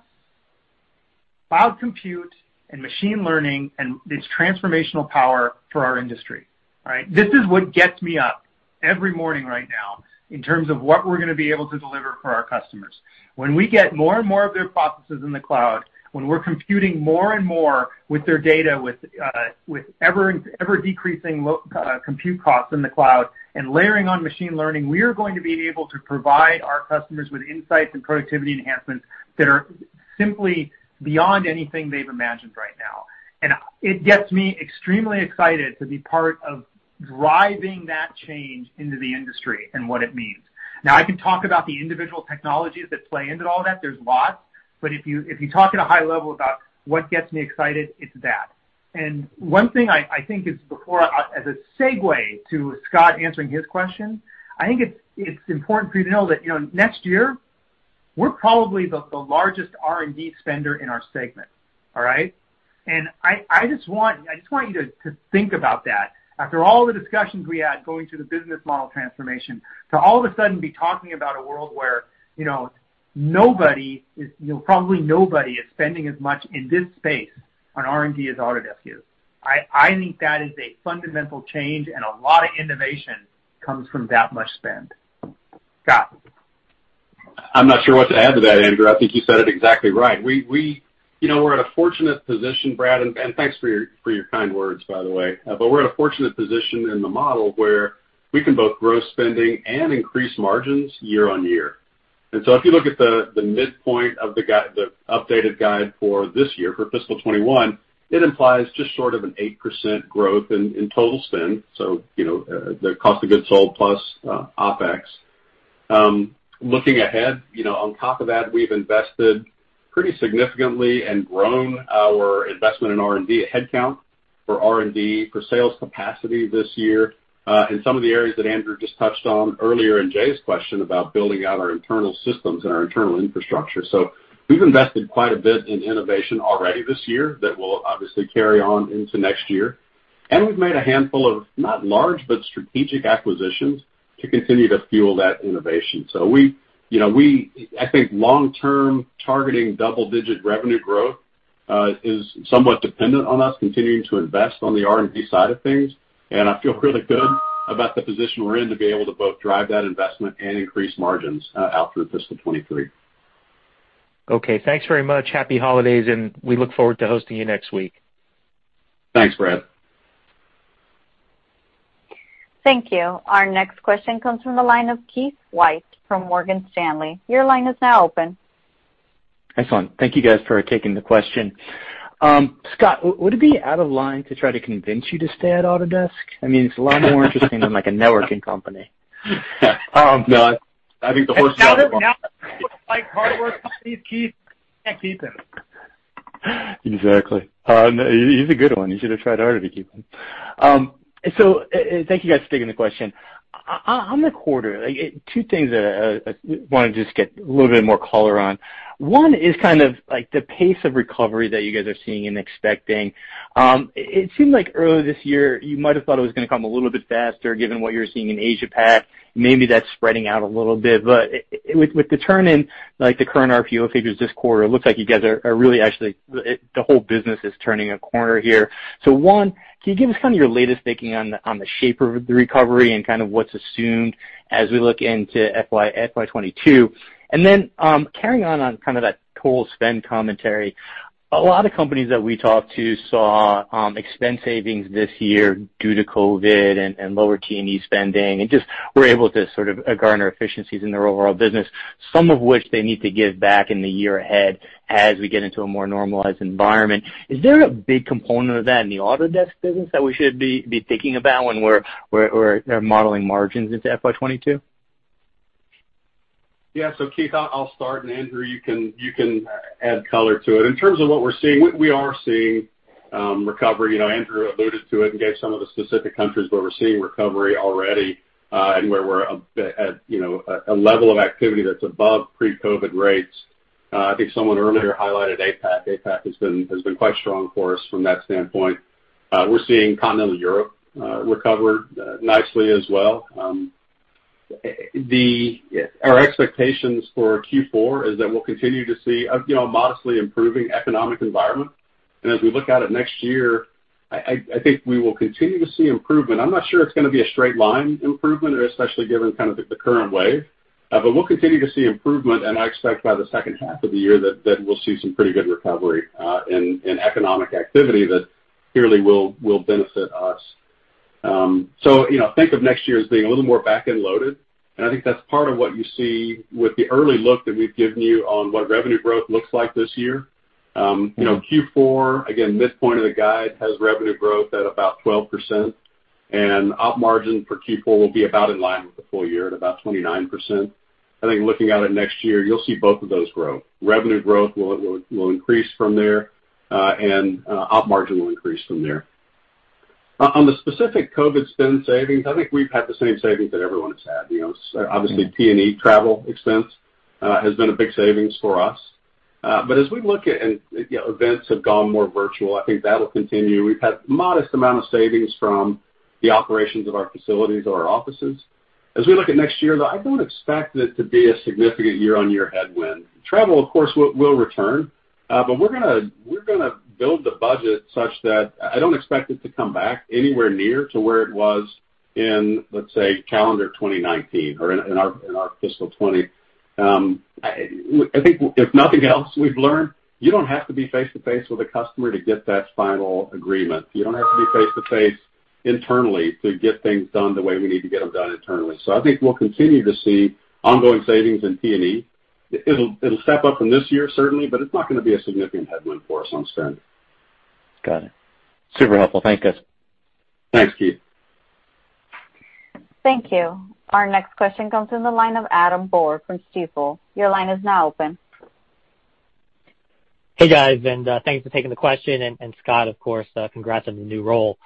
cloud compute, and machine learning, and its transformational power for our industry. This is what gets me up every morning right now in terms of what we're going to be able to deliver for our customers. When we get more and more of their processes in the cloud, when we're computing more and more with their data, with ever-decreasing compute costs in the cloud and layering on machine learning, we are going to be able to provide our customers with insights and productivity enhancements that are simply beyond anything they've imagined right now. It gets me extremely excited to be part of driving that change into the industry and what it means. I can talk about the individual technologies that play into all that. There's lots. If you talk at a high level about what gets me excited, it's that. One thing I think is, as a segue to Scott answering his question, I think it's important for you to know that next year, we're probably the largest R&D spender in our segment. All right? I just want you to think about that. After all the discussions we had going through the business model transformation, to all of a sudden be talking about a world where probably nobody is spending as much in this space on R&D as Autodesk is. I think that is a fundamental change, and a lot of innovation comes from that much spend. Scott. I'm not sure what to add to that, Andrew. I think you said it exactly right. We're in a fortunate position, Brad, and thanks for your kind words, by the way. We're in a fortunate position in the model where we can both grow spending and increase margins year-over-year. If you look at the midpoint of the updated guide for this year, for fiscal 2021, it implies just short of an 8% growth in total spend, so the cost of goods sold plus opex. Looking ahead, on top of that, we've invested pretty significantly and grown our investment in R&D headcount for R&D, for sales capacity this year in some of the areas that Andrew just touched on earlier in Jay's question about building out our internal systems and our internal infrastructure. We've invested quite a bit in innovation already this year that will obviously carry on into next year. We've made a handful of not large, but strategic acquisitions to continue to fuel that innovation. I think long-term targeting double-digit revenue growth, is somewhat dependent on us continuing to invest on the R&D side of things, and I feel really good about the position we're in to be able to both drive that investment and increase margins out through fiscal 2023. Okay, thanks very much. Happy holidays, and we look forward to hosting you next week. Thanks, Brad. Thank you. Our next question comes from the line of Keith Weiss from Morgan Stanley. Your line is now open. Excellent. Thank you guys for taking the question. Scott, would it be out of line to try to convince you to stay at Autodesk? I mean, it's a lot more interesting than, like, a networking company. No. I think the horse is out of the barn. Now that people like hard work companies, Keith, we can't keep him. Exactly. He's a good one. You should have tried harder to keep him. Thank you guys for taking the question. On the quarter, two things that I want to just get a little bit more color on. One is kind of like the pace of recovery that you guys are seeing and expecting. It seemed like earlier this year, you might have thought it was going to come a little bit faster given what you were seeing in Asia-Pac. Maybe that's spreading out a little bit. With the turn in, like, the current RPO figures this quarter, it looks like you guys are really actually, the whole business is turning a corner here. One, can you give us kind of your latest thinking on the shape of the recovery and kind of what's assumed as we look into FY 2022? Carrying on kind of that total spend commentary. A lot of companies that we talked to saw expense savings this year due to COVID and lower T&E spending, and just were able to sort of garner efficiencies in their overall business, some of which they need to give back in the year ahead as we get into a more normalized environment. Is there a big component of that in the Autodesk business that we should be thinking about when we're modeling margins into FY 2022? Keith, I'll start, and Andrew, you can add color to it. In terms of what we're seeing, we are seeing recovery. Andrew alluded to it and gave some of the specific countries where we're seeing recovery already, and where we're at a level of activity that's above pre-COVID rates. I think someone earlier highlighted APAC. APAC has been quite strong for us from that standpoint. We're seeing continental Europe recover nicely as well. Our expectations for Q4 is that we'll continue to see a modestly improving economic environment. As we look out at next year, I think we will continue to see improvement. I'm not sure it's going to be a straight line improvement, especially given kind of the current wave. We'll continue to see improvement, and I expect by the second half of the year that we'll see some pretty good recovery in economic activity that clearly will benefit us. Think of next year as being a little more back-end loaded. I think that's part of what you see with the early look that we've given you on what revenue growth looks like this year. Q4, again, midpoint of the guide has revenue growth at about 12%, and op margin for Q4 will be about in line with the full year at about 29%. I think looking at it next year, you'll see both of those grow. Revenue growth will increase from there, and op margin will increase from there. On the specific COVID spend savings, I think we've had the same savings that everyone has had. Obviously, T&E travel expense has been a big savings for us. As we look at, events have gone more virtual, I think that'll continue. We've had modest amount of savings from the operations of our facilities or our offices. As we look at next year, though, I don't expect it to be a significant year-on-year headwind. Travel, of course, will return. We're going to build the budget such that I don't expect it to come back anywhere near to where it was in, let's say, calendar 2019 or in our fiscal 2020. I think if nothing else we've learned, you don't have to be face-to-face with a customer to get that final agreement. You don't have to be face-to-face internally to get things done the way we need to get them done internally. I think we'll continue to see ongoing savings in T&E. It'll step up from this year, certainly, but it's not going to be a significant headwind for us on spend. Got it. Super helpful. Thank you. Thanks, Keith. Thank you. Our next question comes from the line of Adam Borg from Stifel. Your line is now open. Hey, guys, thanks for taking the question. Scott, of course, congrats on the new role.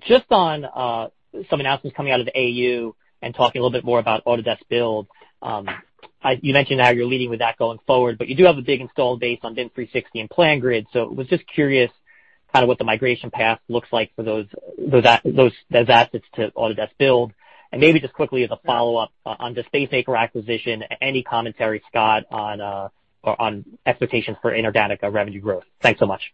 Just on some announcements coming out of AU and talking a little bit more about Autodesk Build. You mentioned how you're leading with that going forward, but you do have a big install base on BIM 360 and PlanGrid, so was just curious what the migration path looks like for those assets to Autodesk Build. Maybe just quickly as a follow-up on the Spacemaker acquisition, any commentary, Scott, on expectations for inorganic revenue growth. Thanks so much.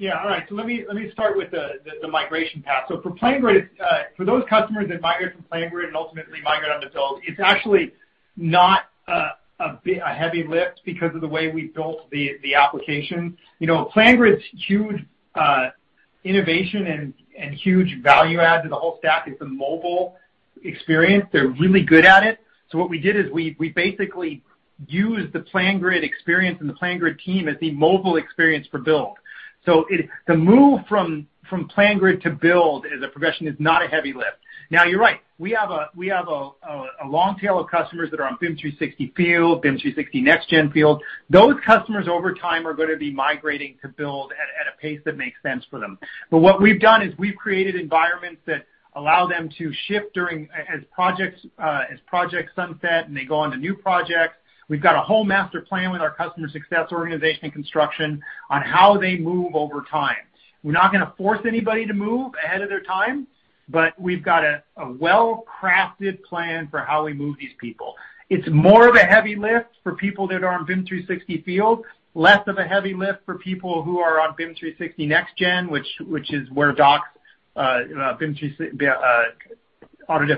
Yeah. All right. Let me start with the migration path. For PlanGrid, for those customers that migrate from PlanGrid and ultimately migrate onto Build, it's actually not a heavy lift because of the way we built the application. PlanGrid's huge innovation and huge value add to the whole stack is the mobile experience. They're really good at it. What we did is we basically used the PlanGrid experience and the PlanGrid team as the mobile experience for Build. The move from PlanGrid to Build as a progression is not a heavy lift. Now, you're right. We have a long tail of customers that are on BIM 360 Field, BIM 360 Next Gen Field. Those customers over time are going to be migrating to Build at a pace that makes sense for them. What we've done is we've created environments that allow them to shift as projects sunset and they go onto new projects. We've got a whole master plan with our customer success organization and construction on how they move over time. We're not going to force anybody to move ahead of their time, but we've got a well-crafted plan for how we move these people. It's more of a heavy lift for people that are on BIM 360 Field, less of a heavy lift for people who are on BIM 360 Next Gen, which is where Autodesk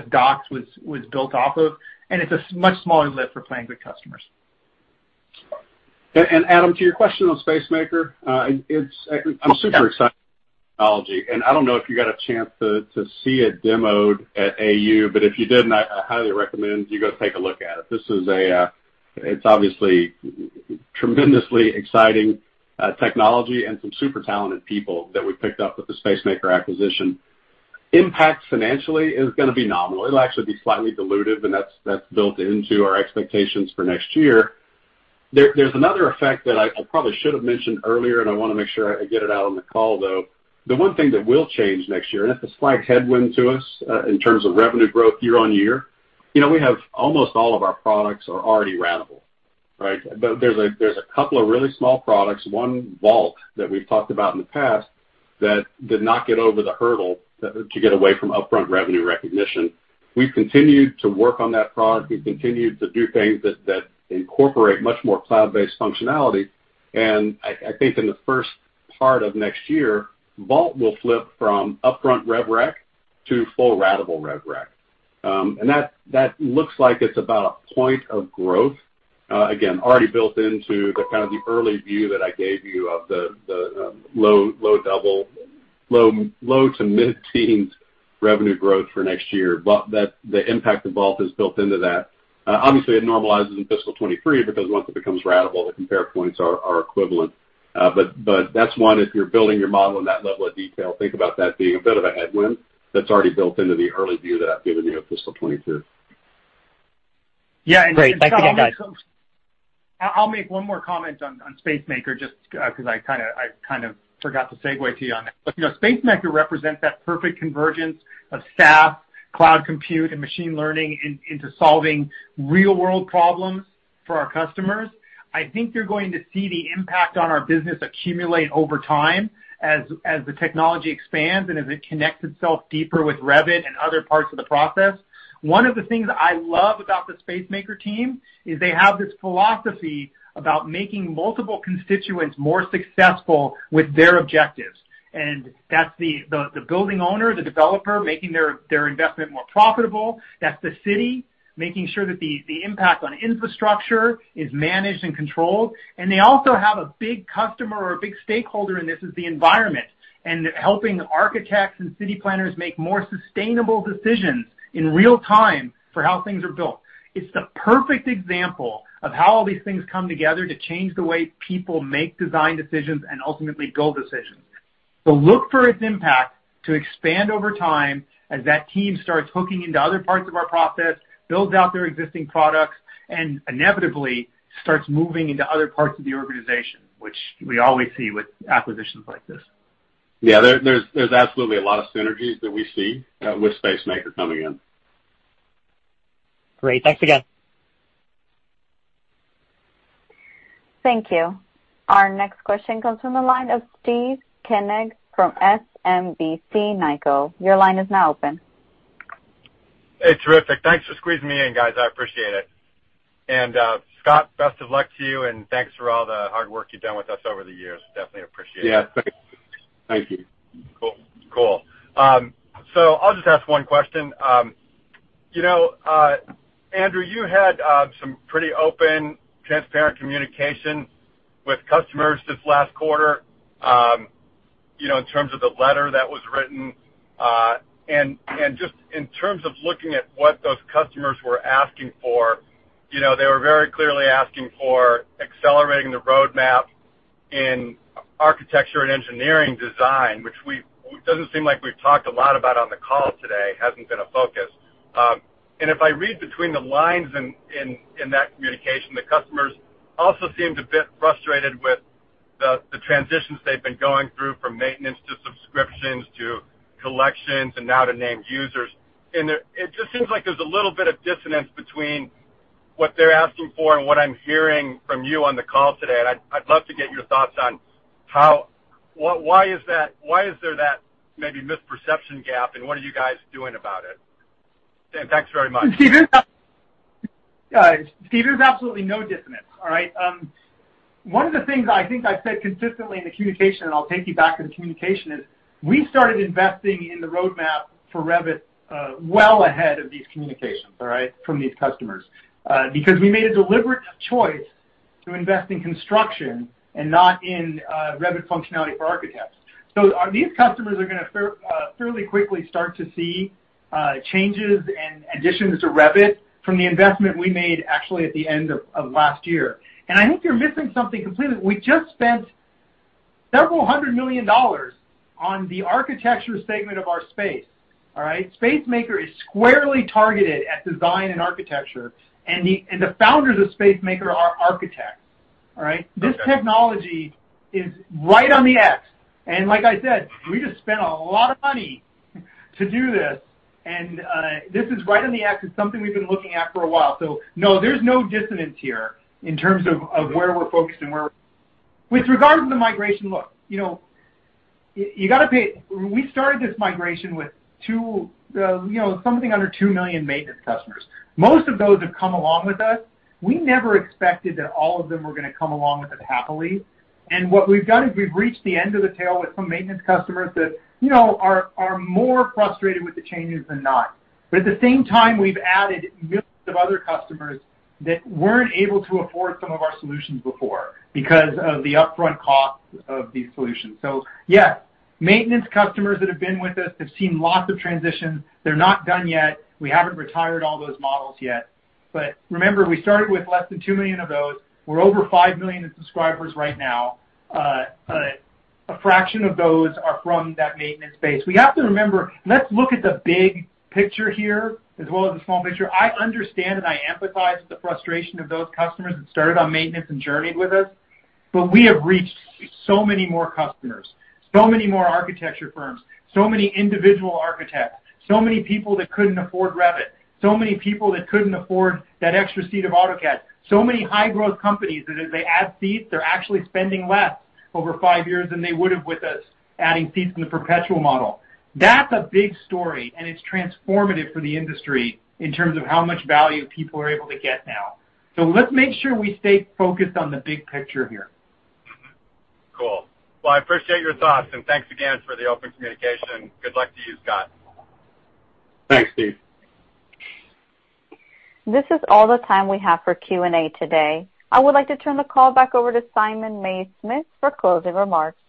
Docs was built off of. It's a much smaller lift for PlanGrid customers. Adam, to your question on Spacemaker, I'm super excited about the technology. I don't know if you got a chance to see it demoed at AU, but if you didn't, I highly recommend you go take a look at it. It's obviously tremendously exciting technology and some super talented people that we picked up with the Spacemaker acquisition. Impact financially is going to be nominal. It'll actually be slightly dilutive, and that's built into our expectations for next year. There's another effect that I probably should have mentioned earlier, and I want to make sure I get it out on the call, though. The one thing that will change next year, and it's a slight headwind to us in terms of revenue growth year-over-year. We have almost all of our products are already ratable. Right? There's a couple of really small products, one Vault that we've talked about in the past, that did not get over the hurdle to get away from upfront revenue recognition. We've continued to work on that product. We've continued to do things that incorporate much more cloud-based functionality. I think in the first part of next year, Vault will flip from upfront rev rec to full ratable rev rec. That looks like it's about a point of growth. Again, already built into the kind of the early view that I gave you of the low double, low to mid-teens revenue growth for next year. The impact of Vault is built into that. Obviously, it normalizes in fiscal 2023 because once it becomes ratable, the compare points are equivalent. That's one, if you're building your model in that level of detail, think about that being a bit of a headwind that's already built into the early view that I've given you of fiscal 2022. Great. Thank you again, guys. I'll make one more comment on Spacemaker, just because I kind of forgot to segue to you on that. Spacemaker represents that perfect convergence of SaaS, cloud compute, and machine learning into solving real-world problems for our customers. I think you're going to see the impact on our business accumulate over time as the technology expands and as it connects itself deeper with Revit and other parts of the process. One of the things I love about the Spacemaker team is they have this philosophy about making multiple constituents more successful with their objectives. That's the building owner, the developer making their investment more profitable. That's the city making sure that the impact on infrastructure is managed and controlled. They also have a big customer or a big stakeholder in this is the environment. Helping architects and city planners make more sustainable decisions in real time for how things are built. It's the perfect example of how all these things come together to change the way people make design decisions and ultimately build decisions. Look for its impact to expand over time as that team starts hooking into other parts of our process, builds out their existing products, and inevitably starts moving into other parts of the organization, which we always see with acquisitions like this. Yeah. There's absolutely a lot of synergies that we see with Spacemaker coming in. Great. Thanks again. Thank you. Our next question comes from the line of Steve Koenig from SMBC Nikko. Your line is now open. Hey. Terrific. Thanks for squeezing me in, guys. I appreciate it. Scott, best of luck to you, and thanks for all the hard work you've done with us over the years. Definitely appreciate it. Yeah. Thank you. Cool. I'll just ask one question. Andrew, you had some pretty open, transparent communication with customers this last quarter, in terms of the letter that was written. Just in terms of looking at what those customers were asking for, they were very clearly asking for accelerating the roadmap in architecture and engineering design, which doesn't seem like we've talked a lot about on the call today, hasn't been a focus. If I read between the lines in that communication, the customers also seemed a bit frustrated with the transitions they've been going through from maintenance to subscriptions to collections and now to named users. It just seems like there's a little bit of dissonance between what they're asking for and what I'm hearing from you on the call today. I'd love to get your thoughts on why is there that maybe misperception gap and what are you guys doing about it? Thanks very much. Steve, there's absolutely no dissonance. All right? One of the things I think I've said consistently in the communication, and I'll take you back to the communication, is we started investing in the roadmap for Revit well ahead of these communications, all right, from these customers. We made a deliberate choice to invest in construction and not in Revit functionality for architects. These customers are going to fairly quickly start to see changes and additions to Revit from the investment we made actually at the end of last year. I think you're missing something completely. We just spent several hundred million dollars on the architecture segment of our space. All right? Spacemaker is squarely targeted at design and architecture, and the founders of Spacemaker are architects. All right? Okay. This technology is right on the X. Like I said, we just spent a lot of money to do this. This is right on the X. It's something we've been looking at for a while. No, there's no dissonance here in terms of where we're focused. With regard to the migration, look, we started this migration with something under 2 million maintenance customers. Most of those have come along with us. We never expected that all of them were going to come along with it happily. What we've done is we've reached the end of the tail with some maintenance customers that are more frustrated with the changes than not. At the same time, we've added millions of other customers that weren't able to afford some of our solutions before because of the upfront cost of these solutions. Yes, maintenance customers that have been with us have seen lots of transitions. They're not done yet. We haven't retired all those models yet. Remember, we started with less than 2 million of those. We're over 5 million in subscribers right now. A fraction of those are from that maintenance base. We have to remember, let's look at the big picture here as well as the small picture. I understand and I empathize with the frustration of those customers that started on maintenance and journeyed with us. We have reached so many more customers, so many more architecture firms, so many individual architects, so many people that couldn't afford Revit, so many people that couldn't afford that extra seat of AutoCAD. Many high-growth companies that as they add seats, they're actually spending less over five years than they would've with us adding seats in the perpetual model. That's a big story, and it's transformative for the industry in terms of how much value people are able to get now. Let's make sure we stay focused on the big picture here. Cool. I appreciate your thoughts and thanks again for the open communication. Good luck to you, Scott. Thanks, Steve. This is all the time we have for Q&A today. I would like to turn the call back over to Simon Mays-Smith for closing remarks.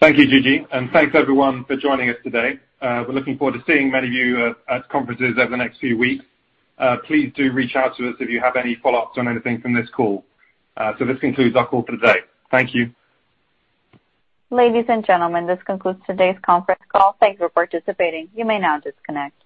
Thank you, Gigi, and thanks everyone for joining us today. We're looking forward to seeing many of you at conferences over the next few weeks. Please do reach out to us if you have any follow-ups on anything from this call. This concludes our call for today. Thank you. Ladies and gentlemen, this concludes today's conference call. Thanks for participating. You may now disconnect.